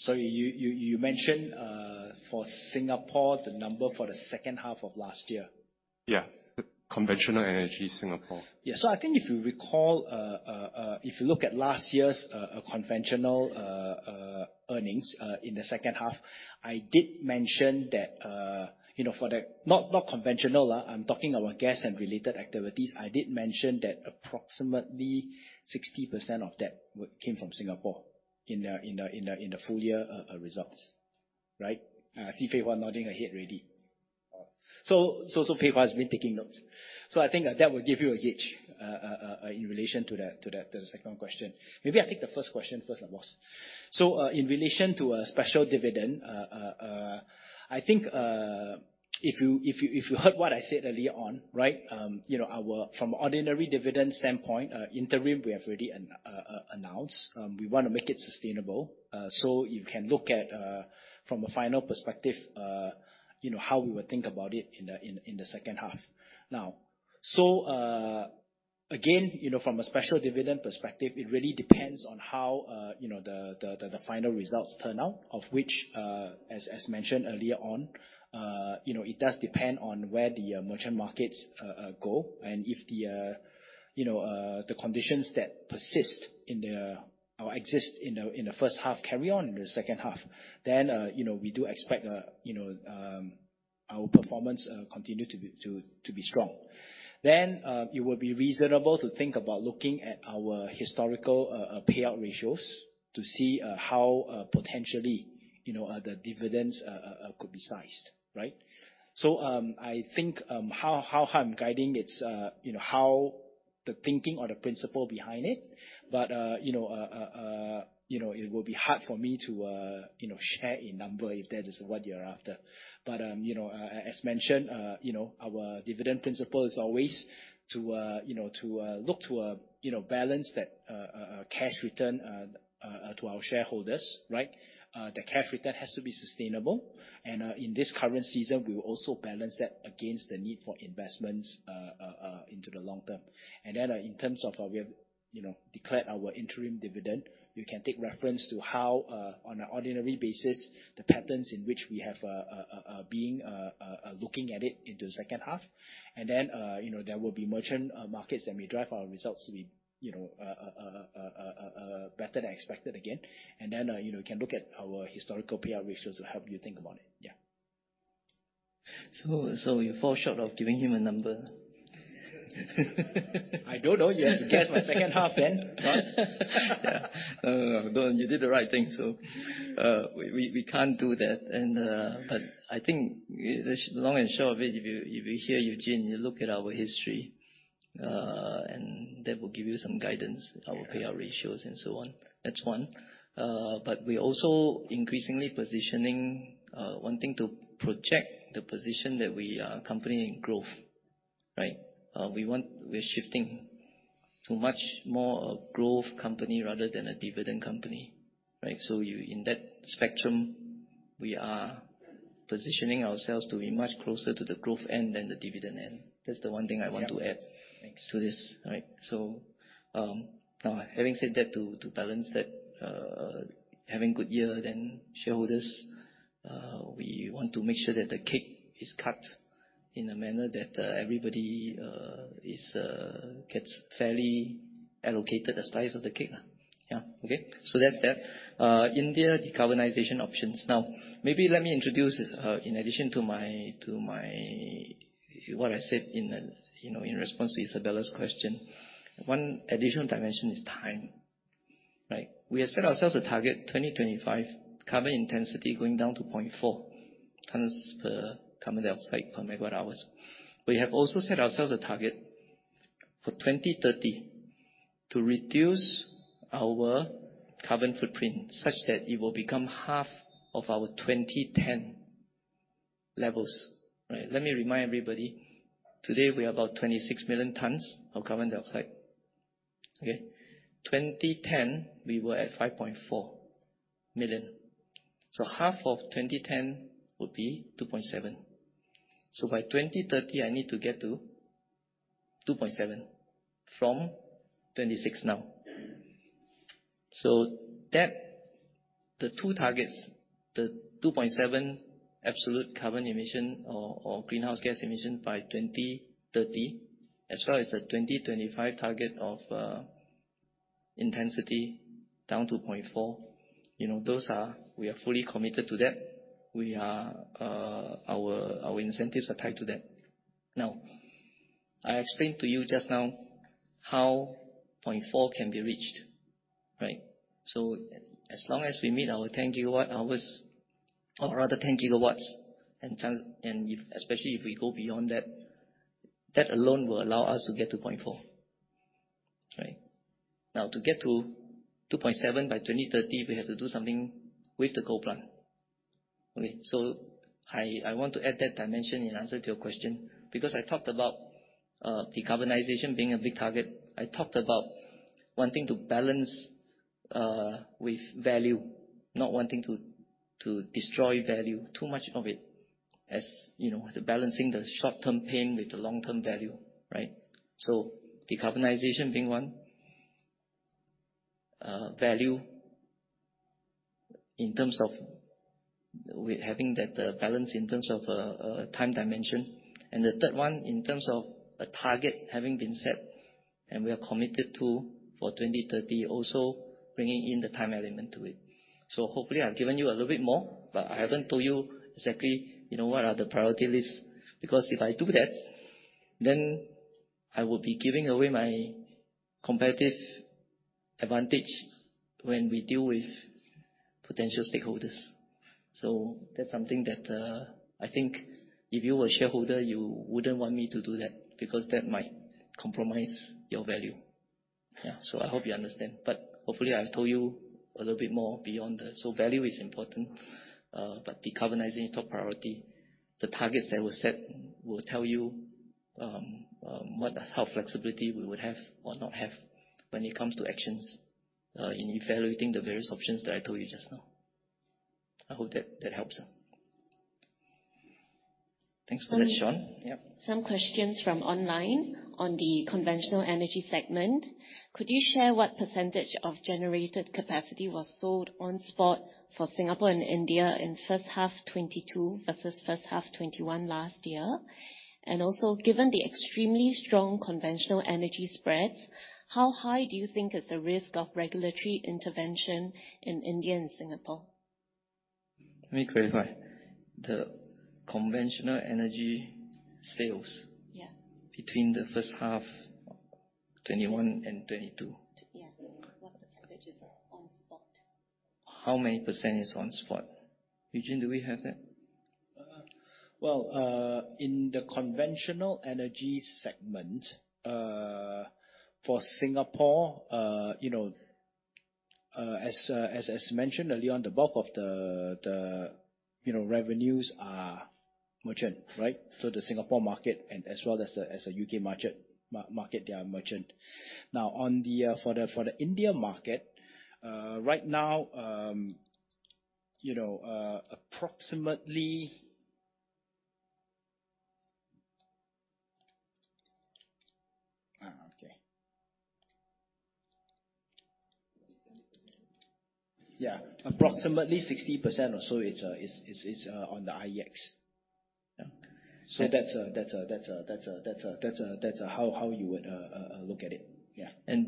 You mentioned, for Singapore, the number for the second half of last year? Yeah. The conventional energy Singapore. Yeah. I think if you recall, if you look at last year's conventional earnings in the second half, I did mention that, you know, Not conventional. I'm talking about gas and related activities. I did mention that approximately 60% of that came from Singapore in the full year results. Right? I see Pei Hua nodding her head already. Pei Hua has been taking notes. I think that will give you a gauge in relation to the second question. Maybe I'll take the first question first and last. In relation to a special dividend, I think if you heard what I said earlier on, right? From ordinary dividend standpoint, interim, we have already announced, we want to make it sustainable. You can look at from a final perspective, you know, how we would think about it in the second half. Now, again, you know, from a special dividend perspective, it really depends on how, you know, the final results turn out. Of which, as mentioned earlier on, you know, it does depend on where the merchant markets go. If the, you know, the conditions that persist in the first half or exist in the first half carry on in the second half, then, you know, we do expect, you know, our performance continue to be strong. It will be reasonable to think about looking at our historical payout ratios, to see how potentially you know the dividends could be sized. Right? I think how I'm guiding it's you know how the thinking or the principle behind it. You know it will be hard for me to you know share a number if that is what you're after. You know as mentioned you know our dividend principle is always to you know to look to you know balance that cash return to our shareholders, right? The cash return has to be sustainable. In this current season, we will also balance that against the need for investments into the long term. In terms of, we have, you know, declared our interim dividend. We can take reference to how, on an ordinary basis, the patterns in which we have been looking at it into the second half. You know, there will be merchant markets that may drive our results to be, you know, better than expected again. You know, can look at our historical payout ratios to help you think about it. Yeah. You fall short of giving him a number. I don't know. You have to guess for second half then. Yeah. No, no, you did the right thing. We can't do that and. I think the long and short of it, if you hear Eugene, you look at our history, and that will give you some guidance, our payout ratios and so on. That's one. We're also increasingly positioning, wanting to project the position that we are a company in growth, right? We're shifting to much more a growth company rather than a dividend company, right? In that spectrum, we are positioning ourselves to be much closer to the growth end than the dividend end. That's the one thing I want to add. Yeah. Thanks. Having said that, to balance that, having good year, then shareholders, we want to make sure that the cake is cut in a manner that everybody gets fairly allocated a slice of the cake. Yeah. Okay? That's that. India decarbonization options. Now, maybe let me introduce, in addition to my. What I said in, you know, in response to Izabella's question. One additional dimension is time. Right? We have set ourselves a target, 2025 carbon intensity going down to 0.4 tons of carbon dioxide per megawatt hours. We have also set ourselves a target for 2030 to reduce our carbon footprint such that it will become half of our 2010 levels. Right? Let me remind everybody, today we are about 26 million tons of carbon dioxide. Okay? 2010 we were at 5.4 million. Half of 2010 would be 2.7. By 2030, I need to get to 2.7 from 26 now. That, the two targets, the 2.7 absolute carbon emission or greenhouse gas emission by 2030, as well as the 2025 target of intensity down to 0.4. You know, those are. We are fully committed to that. We are, our incentives are tied to that. Now, I explained to you just now how 0.4 can be reached, right? As long as we meet our 10 kWh or rather 10 kW and tons, and if, especially if we go beyond that alone will allow us to get to 0.4. Right? Now, to get to 2.7 by 2030, we have to do something with the coal plant. Okay? I want to add that dimension in answer to your question. I talked about decarbonization being a big target. I talked about wanting to balance with value, not wanting to destroy value, too much of it. As you know, the balancing the short-term pain with the long-term value, right? Decarbonization being one value in terms of we having that balance in terms of time dimension. The third one, in terms of a target having been set and we are committed to for 2030, also bringing in the time element to it. Hopefully I've given you a little bit more, but I haven't told you exactly, you know, what are the priority lists. Because if I do that, then I will be giving away my competitive advantage when we deal with potential stakeholders. That's something that I think if you were a shareholder, you wouldn't want me to do that, because that might compromise your value. Yeah. I hope you understand, but hopefully I've told you a little bit more beyond that. Value is important, but decarbonizing is top priority. The targets that were set will tell you how flexible we would have or not have when it comes to actions in evaluating the various options that I told you just now. I hope that helps. Thanks for that, Shaun. Yeah. Some questions from online on the conventional energy segment. Could you share what percentage of generated capacity was sold on spot for Singapore and India in first half 2022 versus first half 2021 last year? Given the extremely strong conventional energy spreads, how high do you think is the risk of regulatory intervention in India and Singapore? Let me clarify. The conventional energy sales? Yeah. Between the first half 2021 and 2022? Yeah. What percentage is on spot? How many percent is on spot? Eugene, do we have that? Well, in the conventional energy segment, for Singapore, you know, as mentioned earlier, on the bulk of the revenues are merchant, right? The Singapore market and as well as the U.K. market, they are merchant. Now, for the India market, right now, approximately 60% or so it's on the IEX. That's how you would look at it.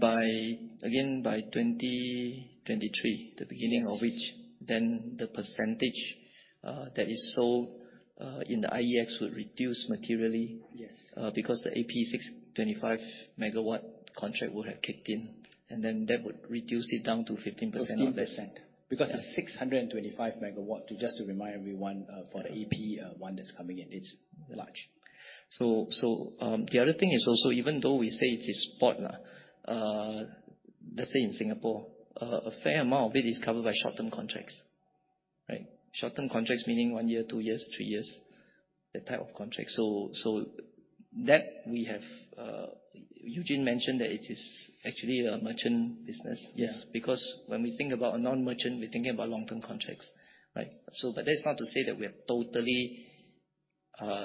By 2023. The beginning of which then the percentage that is sold in the IEX would reduce materially. Yes. Because the AP 625 MW contract would have kicked in, and then that would reduce it down to 15% or less. 15%. Yeah. Because the 625 MW, to just remind everyone, Yeah. For the AP, one that's coming in, it's large. The other thing is also even though we say it is spot, let's say in Singapore, a fair amount of it is covered by short-term contracts. Right? Short-term contracts meaning one year, two years, three years, that type of contract. That we have, Eugene mentioned that it is actually a merchant business. Yes. Because when we think about a non-merchant, we're thinking about long-term contracts, right? That's not to say that we are totally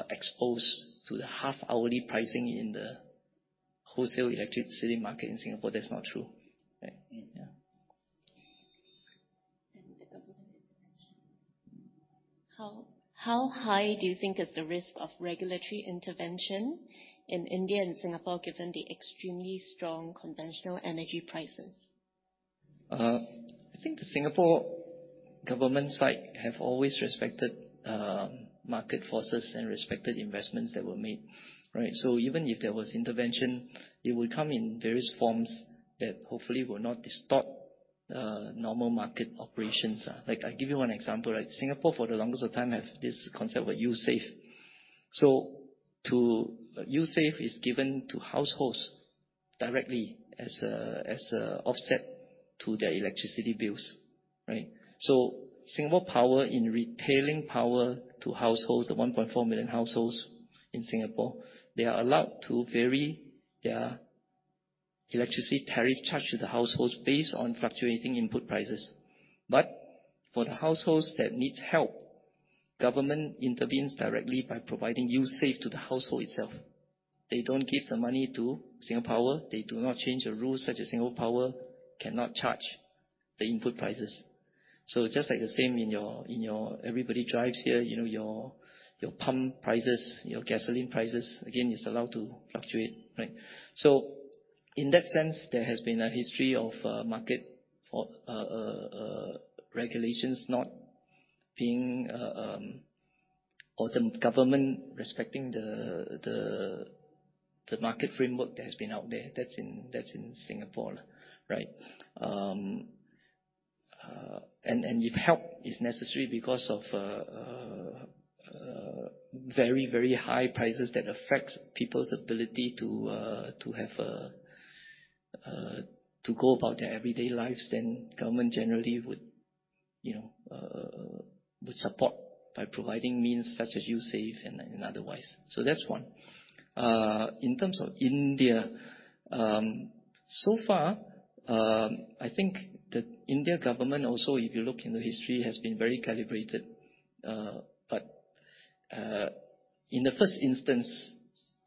exposed to the half-hourly pricing in the wholesale electricity market in Singapore. That's not true, right? Yeah. The government intervention. How high do you think is the risk of regulatory intervention in India and Singapore, given the extremely strong conventional energy prices? I think the Singapore government side have always respected market forces and respected investments that were made, right? Even if there was intervention, it would come in various forms that hopefully will not distort normal market operations. Like, I give you one example, like Singapore for the longest time have this concept where U-Save. U-Save is given to households directly as an offset to their electricity bills, right? Singapore Power in retailing power to households, the 1.4 million households in Singapore, they are allowed to vary their electricity tariff charge to the households based on fluctuating input prices. But for the households that needs help, government intervenes directly by providing U-Save to the household itself. They don't give the money to Singapore. They do not change the rules such as single power cannot charge the input prices. Just like the same in your everybody drives here, you know, your pump prices, your gasoline prices, again, is allowed to fluctuate, right? In that sense, there has been a history of market regulations not being or the government respecting the market framework that has been out there. That's in Singapore, right? If help is necessary because of very high prices that affects people's ability to go about their everyday lives, then government generally would, you know, support by providing means such as U-Save and otherwise. That's one. In terms of India, so far, I think the Indian government also, if you look in the history, has been very calibrated. In the first instance,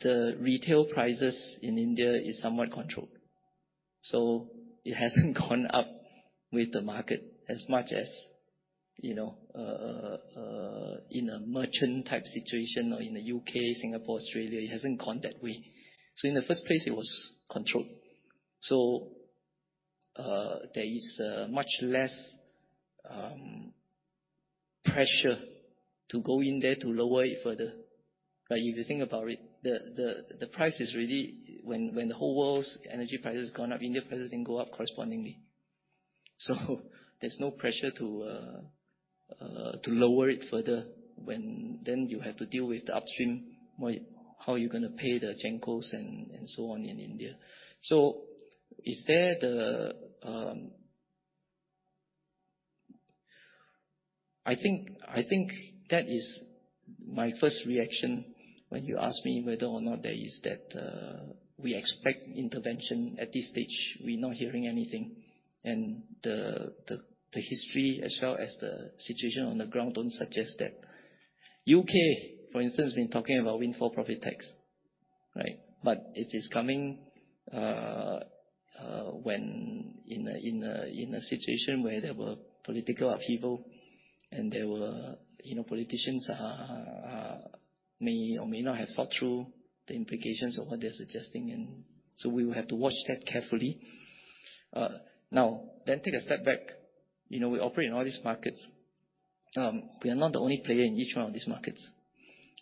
the retail prices in India is somewhat controlled. It hasn't gone up with the market as much as, you know, in a merchant type situation or in the U.K., Singapore, Australia, it hasn't gone that way. In the first place, it was controlled. There is much less pressure to go in there to lower it further, right? If you think about it, the price is really when the whole world's energy price has gone up, Indian prices didn't go up correspondingly. There's no pressure to lower it further when then you have to deal with the upstream. How you're gonna pay the gen cos and so on in India. Is there I think that is my first reaction when you ask me whether or not there is that we expect intervention. At this stage, we're not hearing anything, and the history as well as the situation on the ground don't suggest that. U.K., for instance, has been talking about windfall profit tax, right? It is coming when in a situation where there were political upheaval and you know politicians may or may not have thought through the implications of what they're suggesting, and so we will have to watch that carefully. Now then, take a step back. You know, we operate in all these markets. We are not the only player in each one of these markets.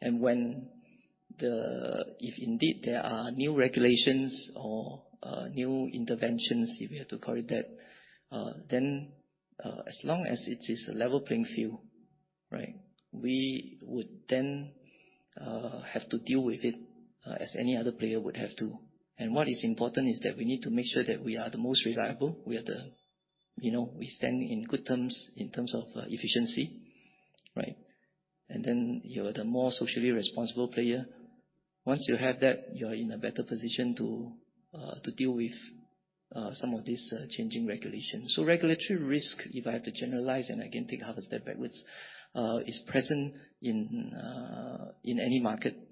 If indeed there are new regulations or new interventions, if we have to call it that, then, as long as it is a level playing field, right? We would then have to deal with it, as any other player would have to. What is important is that we need to make sure that we are the most reliable. You know, we stand in good terms in terms of efficiency, right? You're the more socially responsible player. Once you have that, you're in a better position to deal with some of these changing regulations. Regulatory risk, if I have to generalize, and again, take a half a step backwards, is present in any market.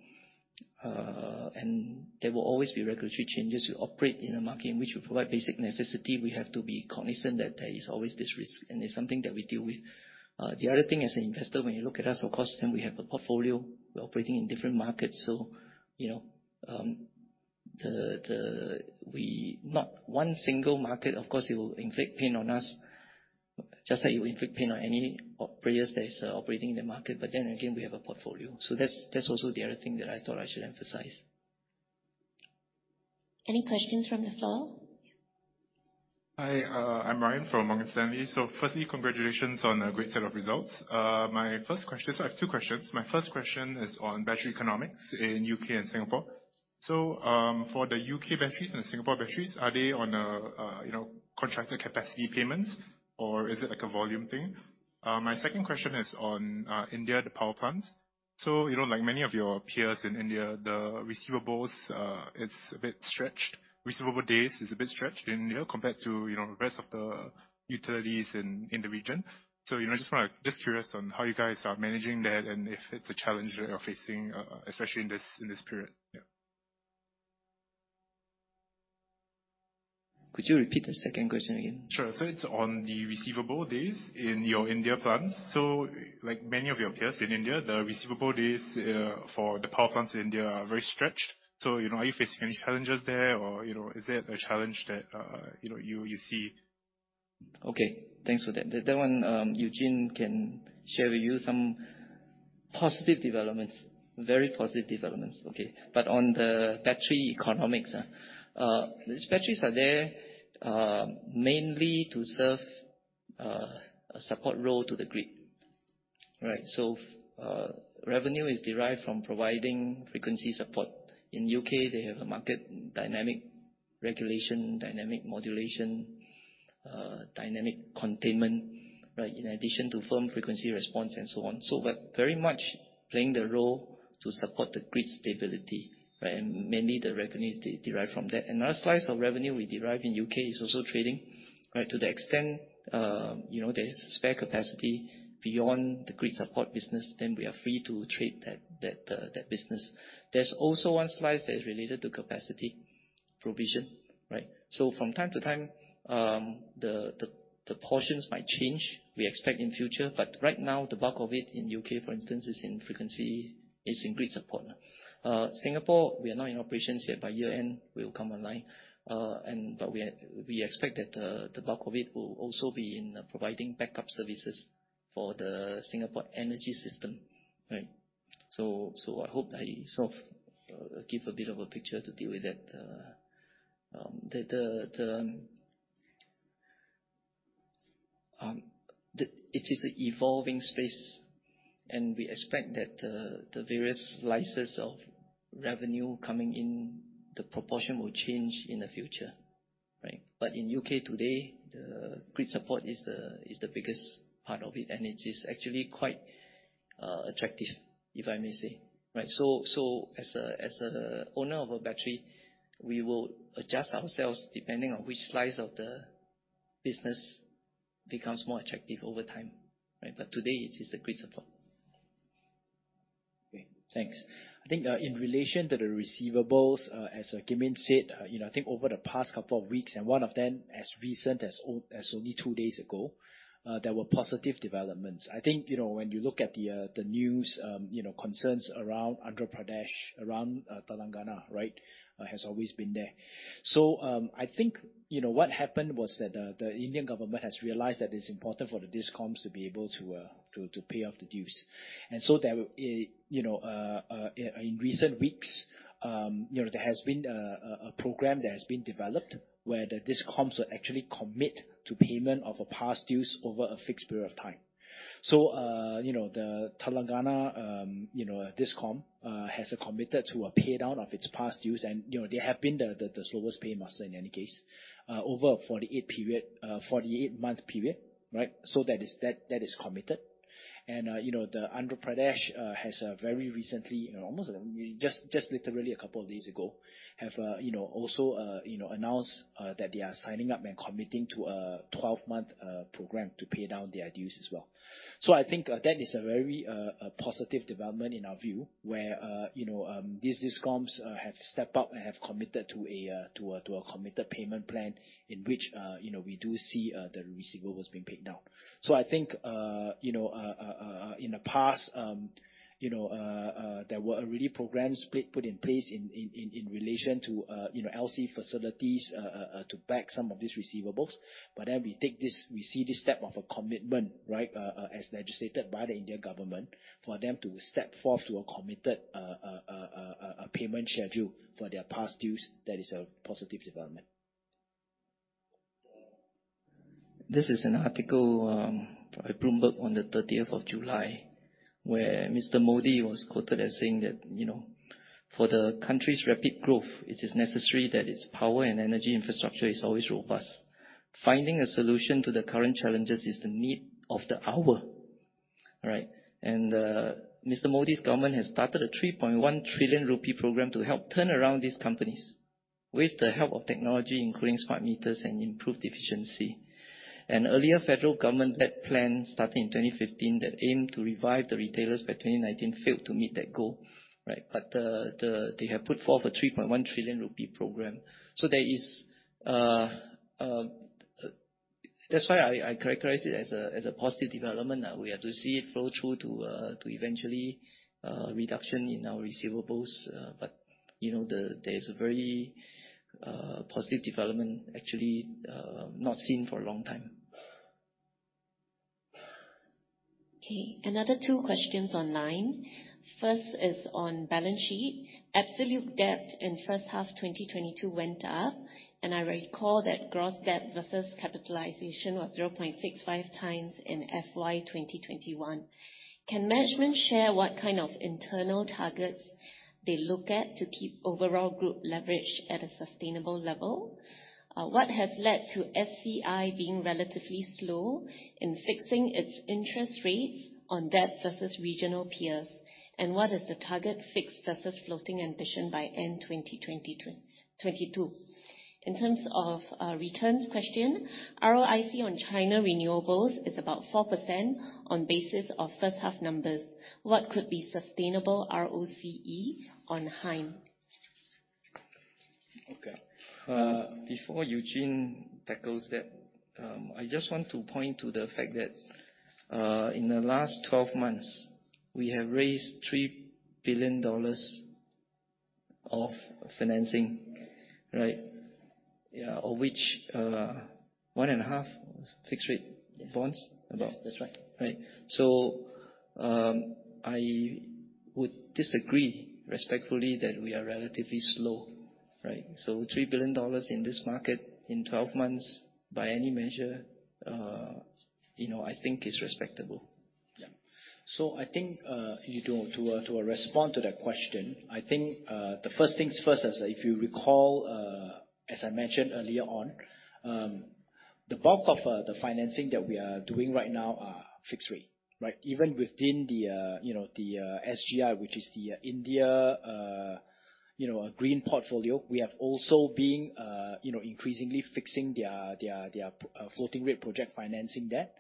There will always be regulatory changes. We operate in a market in which we provide basic necessity. We have to be cognizant that there is always this risk, and it's something that we deal with. The other thing as an investor, when you look at us, of course, we have a portfolio. We're operating in different markets, you know. Not one single market, of course, it will inflict pain on us, just like it will inflict pain on any operators that is operating in the market. Again, we have a portfolio. That's also the other thing that I thought I should emphasize. Any questions from the floor? Hi. I'm Ryan from Morgan Stanley. Firstly, congratulations on a great set of results. My first question is on battery economics in U.K. and Singapore. For the U.K. batteries and Singapore batteries, are they on a you know, contracted capacity payments, or is it like a volume thing? My second question is on India, the power plants. You know, like many of your peers in India, the receivables, it's a bit stretched. Receivable days is a bit stretched, and you know, compared to you know, the rest of the utilities in the region. Just curious on how you guys are managing that and if it's a challenge that you're facing, especially in this period. Could you repeat the second question again? Sure. It's on the receivable days in your India plants. Like many of your peers in India, the receivable days for the power plants in India are very stretched. You know, are you facing any challenges there, or, you know, is there a challenge that, you know, you see? Okay. Thanks for that. That one, Eugene can share with you some positive developments, very positive developments. Okay, on the battery economics, these batteries are there mainly to serve a support role to the grid. Right, revenue is derived from providing frequency support. In U.K., they have a market dynamic regulation, dynamic modulation, dynamic containment, right? In addition to firm frequency response and so on. We're very much playing the role to support the grid stability, right? Mainly the revenues derived from that. Another slice of revenue we derive in U.K. is also trading, right? To the extent, you know, there is spare capacity beyond the grid support business, then we are free to trade that business. There's also one slice that is related to capacity provision, right? From time to time, the portions might change, we expect in future. Right now the bulk of it in U.K., for instance, is in frequency, is in grid support. Singapore, we are not in operations yet. By year-end we'll come online. We expect that the bulk of it will also be in providing backup services for the Singapore energy system, right? I hope I sort of give a bit of a picture to deal with that. It is an evolving space, and we expect that the various slices of revenue coming in, the proportion will change in the future, right? In U.K. today, the grid support is the biggest part of it, and it is actually quite attractive, if I may say. Right. As an owner of a battery, we will adjust ourselves depending on which slice of the business becomes more attractive over time, right? Today it is the grid support. Okay. Thanks. I think in relation to the receivables, as Kim Yin said, you know, I think over the past couple of weeks, and one of them as recent as only two days ago, there were positive developments. I think, you know, when you look at the news, you know, concerns around Andhra Pradesh, around Telangana, right, has always been there. I think, you know, what happened was that the Indian government has realized that it's important for the DISCOMs to be able to pay off the dues. There, you know, in recent weeks, you know, there has been a program that has been developed where the DISCOMs will actually commit to payment of a past due over a fixed period of time. You know, the Telangana, You know, DISCOM has committed to a pay down of its past dues. You know, they have been the slowest paying customer in any case over a 48-month period, right? That is committed. You know, the Andhra Pradesh has very recently, almost just literally a couple of days ago, you know, also announced that they are signing up and committing to a 12-month program to pay down their dues as well. I think that is a very positive development in our view, where you know, these DISCOMs have stepped up and have committed to a committed payment plan in which you know, we do see the receivables being paid down. I think, you know, in the past, you know, there were already programs put in place in relation to, you know, LC facilities, to back some of these receivables. We take this, we see this step of a commitment, right, as legislated by the Indian government, for them to step forth to a committed payment schedule for their past dues. That is a positive development. This is an article by Bloomberg on the 30th of July, where Mr. Modi was quoted as saying that for the country's rapid growth, it is necessary that its power and energy infrastructure is always robust. Finding a solution to the current challenges is the need of the hour, right? Mr. Modi's government has started an 3.1 trillion rupee program to help turn around these companies with the help of technology, including smart meters and improved efficiency. An earlier federal government-led plan starting in 2015 that aimed to revive the retailers by 2019 failed to meet that goal, right? They have put forth an 3.1 trillion rupee program. That's why I characterize it as a positive development. Now we have to see it flow through to eventually reduction in our receivables. You know, there is a very positive development actually, not seen for a long time. Okay, another two questions online. First is on balance sheet. Absolute debt in First Half 2022 went up, and I recall that gross debt versus capitalization was 0.65 times in FY 2021. Can management share what kind of internal targets they look at to keep overall group leverage at a sustainable level? What has led to SEI being relatively slow in fixing its interest rates on debt versus regional peers? And what is the target fixed versus floating ambition by end 2022? In terms of returns question, ROIC on China renewables is about 4% on basis of first half numbers. What could be sustainable ROCE on HYNE? Okay. Before Eugene tackles that, I just want to point to the fact that, in the last 12 months, we have raised $3 billion of financing, right? Yeah. Of which, 1.5 was fixed rate bonds, about. Yes. That's right. Right. I would disagree respectfully that we are relatively slow, right? $3 billion in this market in 12 months, by any measure, you know, I think is respectable. Yeah. I think, you know, to respond to that question, I think, the first things first is if you recall, as I mentioned earlier on, the bulk of the financing that we are doing right now are fixed rate, right? Even within the, you know, the SGI, which is the India green portfolio. We have also been, you know, increasingly fixing their floating rate project financing debt,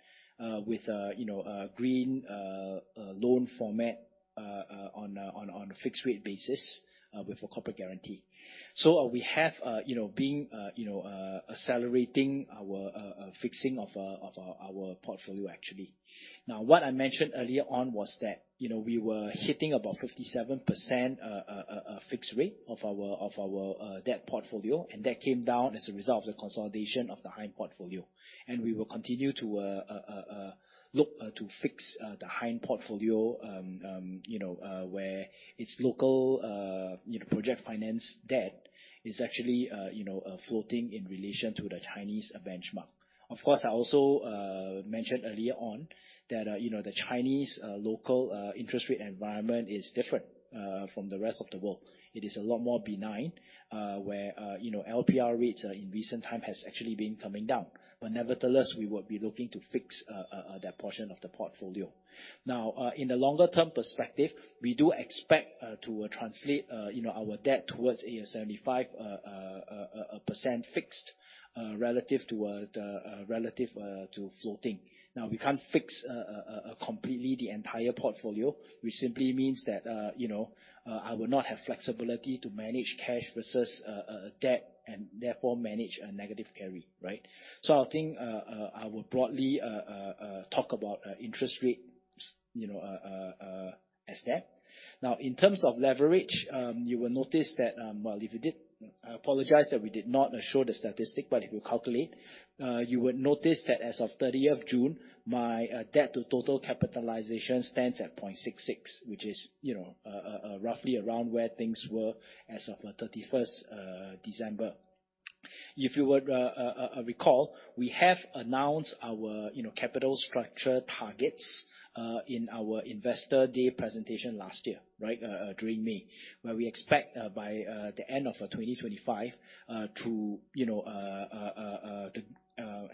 with, you know, a green loan format, on a fixed rate basis, with a corporate guarantee. We have you know been you know accelerating our fixing of our portfolio, actually. Now, what I mentioned earlier on was that, you know, we were hitting about 57% fixed rate of our debt portfolio, and that came down as a result of the consolidation of the HYNE portfolio. We will continue to look to fix the HYNE portfolio, you know, where its local, you know, project finance debt is actually, you know, the Chinese local interest rate environment is different from the rest of the world. It is a lot more benign, where, you know, LPR rates in recent time has actually been coming down. Nevertheless, we will be looking to fix that portion of the portfolio. Now, in the longer term perspective, we do expect to translate, you know, our debt towards a 75% fixed relative to floating. Now, we can't fix completely the entire portfolio. Which simply means that, you know, I will not have flexibility to manage cash versus debt and therefore manage a negative carry, right? I think I will broadly talk about interest rates, you know, as that. Now, in terms of leverage, you will notice that, well, if you did, I apologize that we did not show the statistic, but if you calculate, you would notice that as of 30th June, net debt to total capitalization stands at 0.66, which is, you know, roughly around where things were as of the 31st December. If you would recall, we have announced our, you know, capital structure targets in our Investor Day presentation last year, right? During May, where we expect by the end of 2025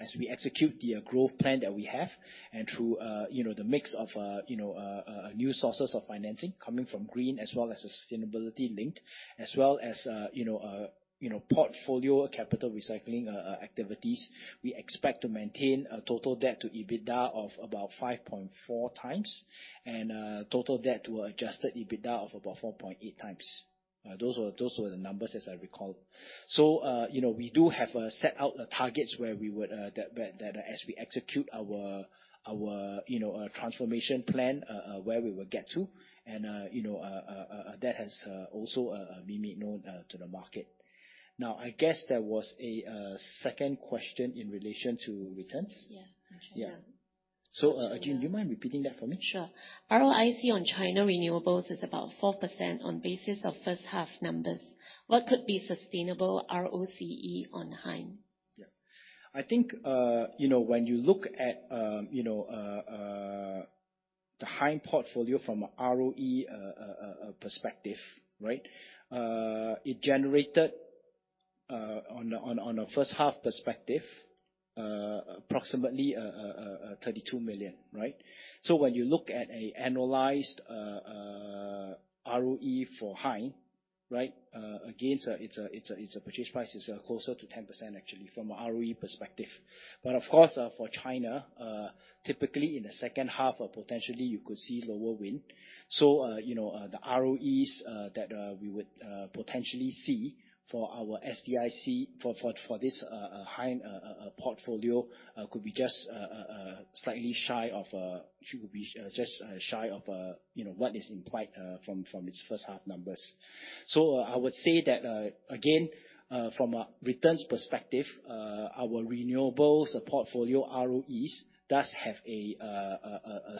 as we execute the growth plan that we have and through you know the mix of you know new sources of financing coming from green as well as sustainability-linked, as well as you know portfolio capital recycling activities. We expect to maintain a total debt to EBITDA of about 5.4x and total debt to adjusted EBITDA of about 4.8x. Those were the numbers as I recall. You know, we do have set out the targets where that as we execute our transformation plan, where we will get to and you know that has also been made known to the market. Now, I guess there was a second question in relation to returns. Yeah. Yeah. Yeah. Do you mind repeating that for me? Sure. ROIC on China renewables is about 4% on basis of first half numbers. What could be sustainable ROCE on HYNE? Yeah. I think, you know, when you look at the HYNE portfolio from a ROE perspective, right? It generated, on a first half perspective, approximately 32 million, right? When you look at an annualized ROE for HYNE, right, again, it's a purchase price is closer to 10% actually from a ROE perspective. But of course, for China, typically in the second half, potentially you could see lower wind. You know, the ROEs that we would potentially see for our SDIC for this HYNE portfolio could be just shy of, you know, what is implied from its first half numbers. I would say that, again, from a returns perspective, our renewables portfolio ROEs does have a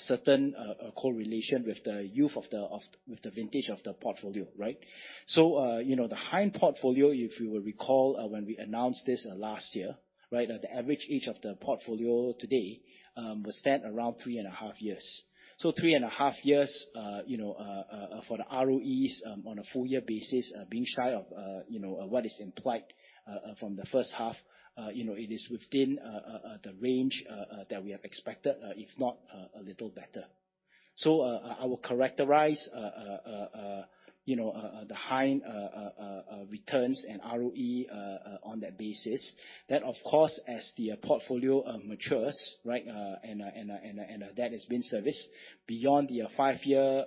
certain correlation with the youth of the portfolio. With the vintage of the portfolio, right? You know, the HYNE portfolio, if you will recall, when we announced this last year, right? The average age of the portfolio today will stand around 3.5 years. 3.5 years, you know, for the ROEs, on a full year basis, being shy of, you know, what is implied from the first half. You know, it is within the range that we have expected, if not a little better. I will characterize, you know, the HYNE returns and ROE on that basis. That of course, as the portfolio matures, right, and that has been serviced beyond the 5-year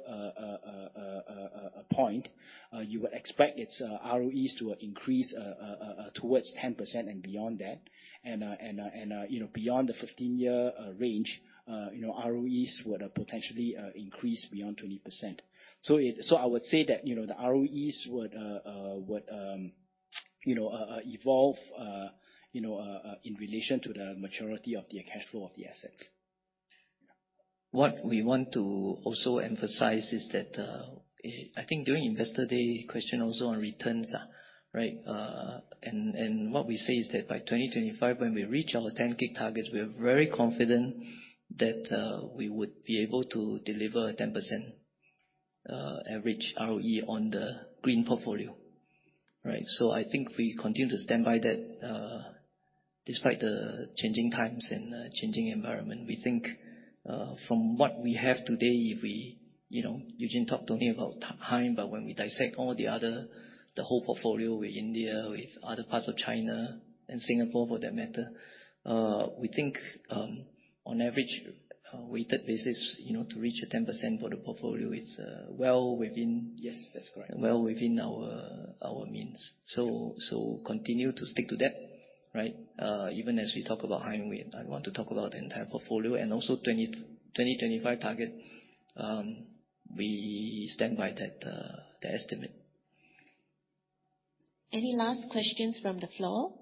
point, you would expect its ROEs to increase towards 10% and beyond that. You know, beyond the 15-year range, you know, ROEs would potentially increase beyond 20%. I would say that, you know, the ROEs would you know in relation to the maturity of the cash flow of the assets. What we want to also emphasize is that, I think during Investor Day question also on returns, right? What we say is that by 2025, when we reach our 10 gig targets, we are very confident that we would be able to deliver a 10% average ROE on the green portfolio. Right. I think we continue to stand by that, despite the changing times and changing environment. We think from what we have today, if we. You know, Eugene talked only about HYNE, but when we dissect all the other, the whole portfolio with India, with other parts of China and Singapore for that matter, we think, on average weighted basis, you know, to reach a 10% for the portfolio is well within— Yes, that's correct. Well within our means. Continue to stick to that, right? Even as we talk about HYNE, I want to talk about the entire portfolio and also 2025 target. We stand by that, the estimate. Any last questions from the floor?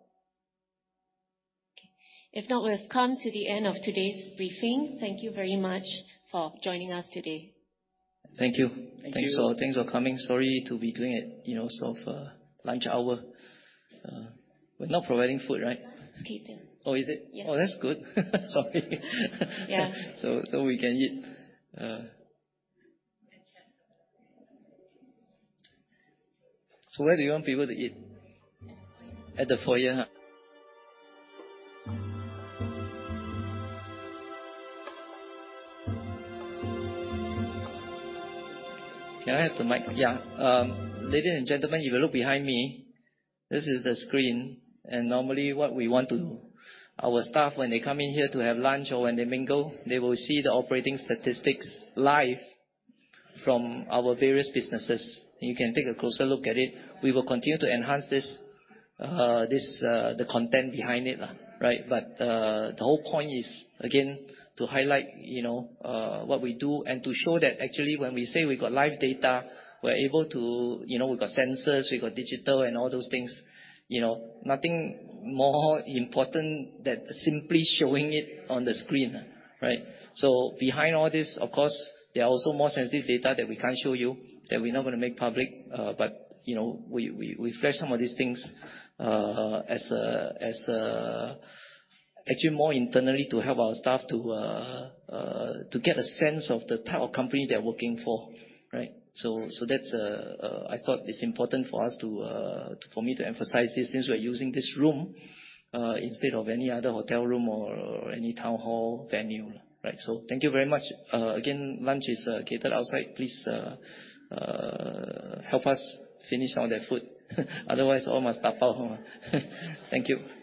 If not, we've come to the end of today's briefing. Thank you very much for joining us today. Thank you. Thank you. Thanks for coming. Sorry to be doing it, you know, sort of, lunch hour. We're not providing food, right? Catered. Oh, is it? Yes. Oh, that's good. Sorry. Yeah. We can eat. Where do you want people to eat? At the foyer. At the foyer, huh? Can I have the mic? Yeah. Ladies and gentlemen, if you look behind me, this is the screen. Our staff, when they come in here to have lunch or when they mingle, they will see the operating statistics live from our various businesses. You can take a closer look at it. We will continue to enhance this, the content behind it, right? The whole point is, again, to highlight, you know, what we do and to show that actually when we say we got live data, we're able to you know we've got sensors, we've got digital and all those things, you know. Nothing more important than simply showing it on the screen, right? Behind all this, of course, there are also more sensitive data that we can't show you, that we're not going to make public. You know, we flash some of these things actually more internally to help our staff to get a sense of the type of company they're working for, right? That's. I thought it's important for me to emphasize this since we're using this room instead of any other hotel room or any town hall venue. Right. Thank you very much. Again, lunch is catered outside. Please help us finish all that food. Otherwise, all must dabao. Thank you.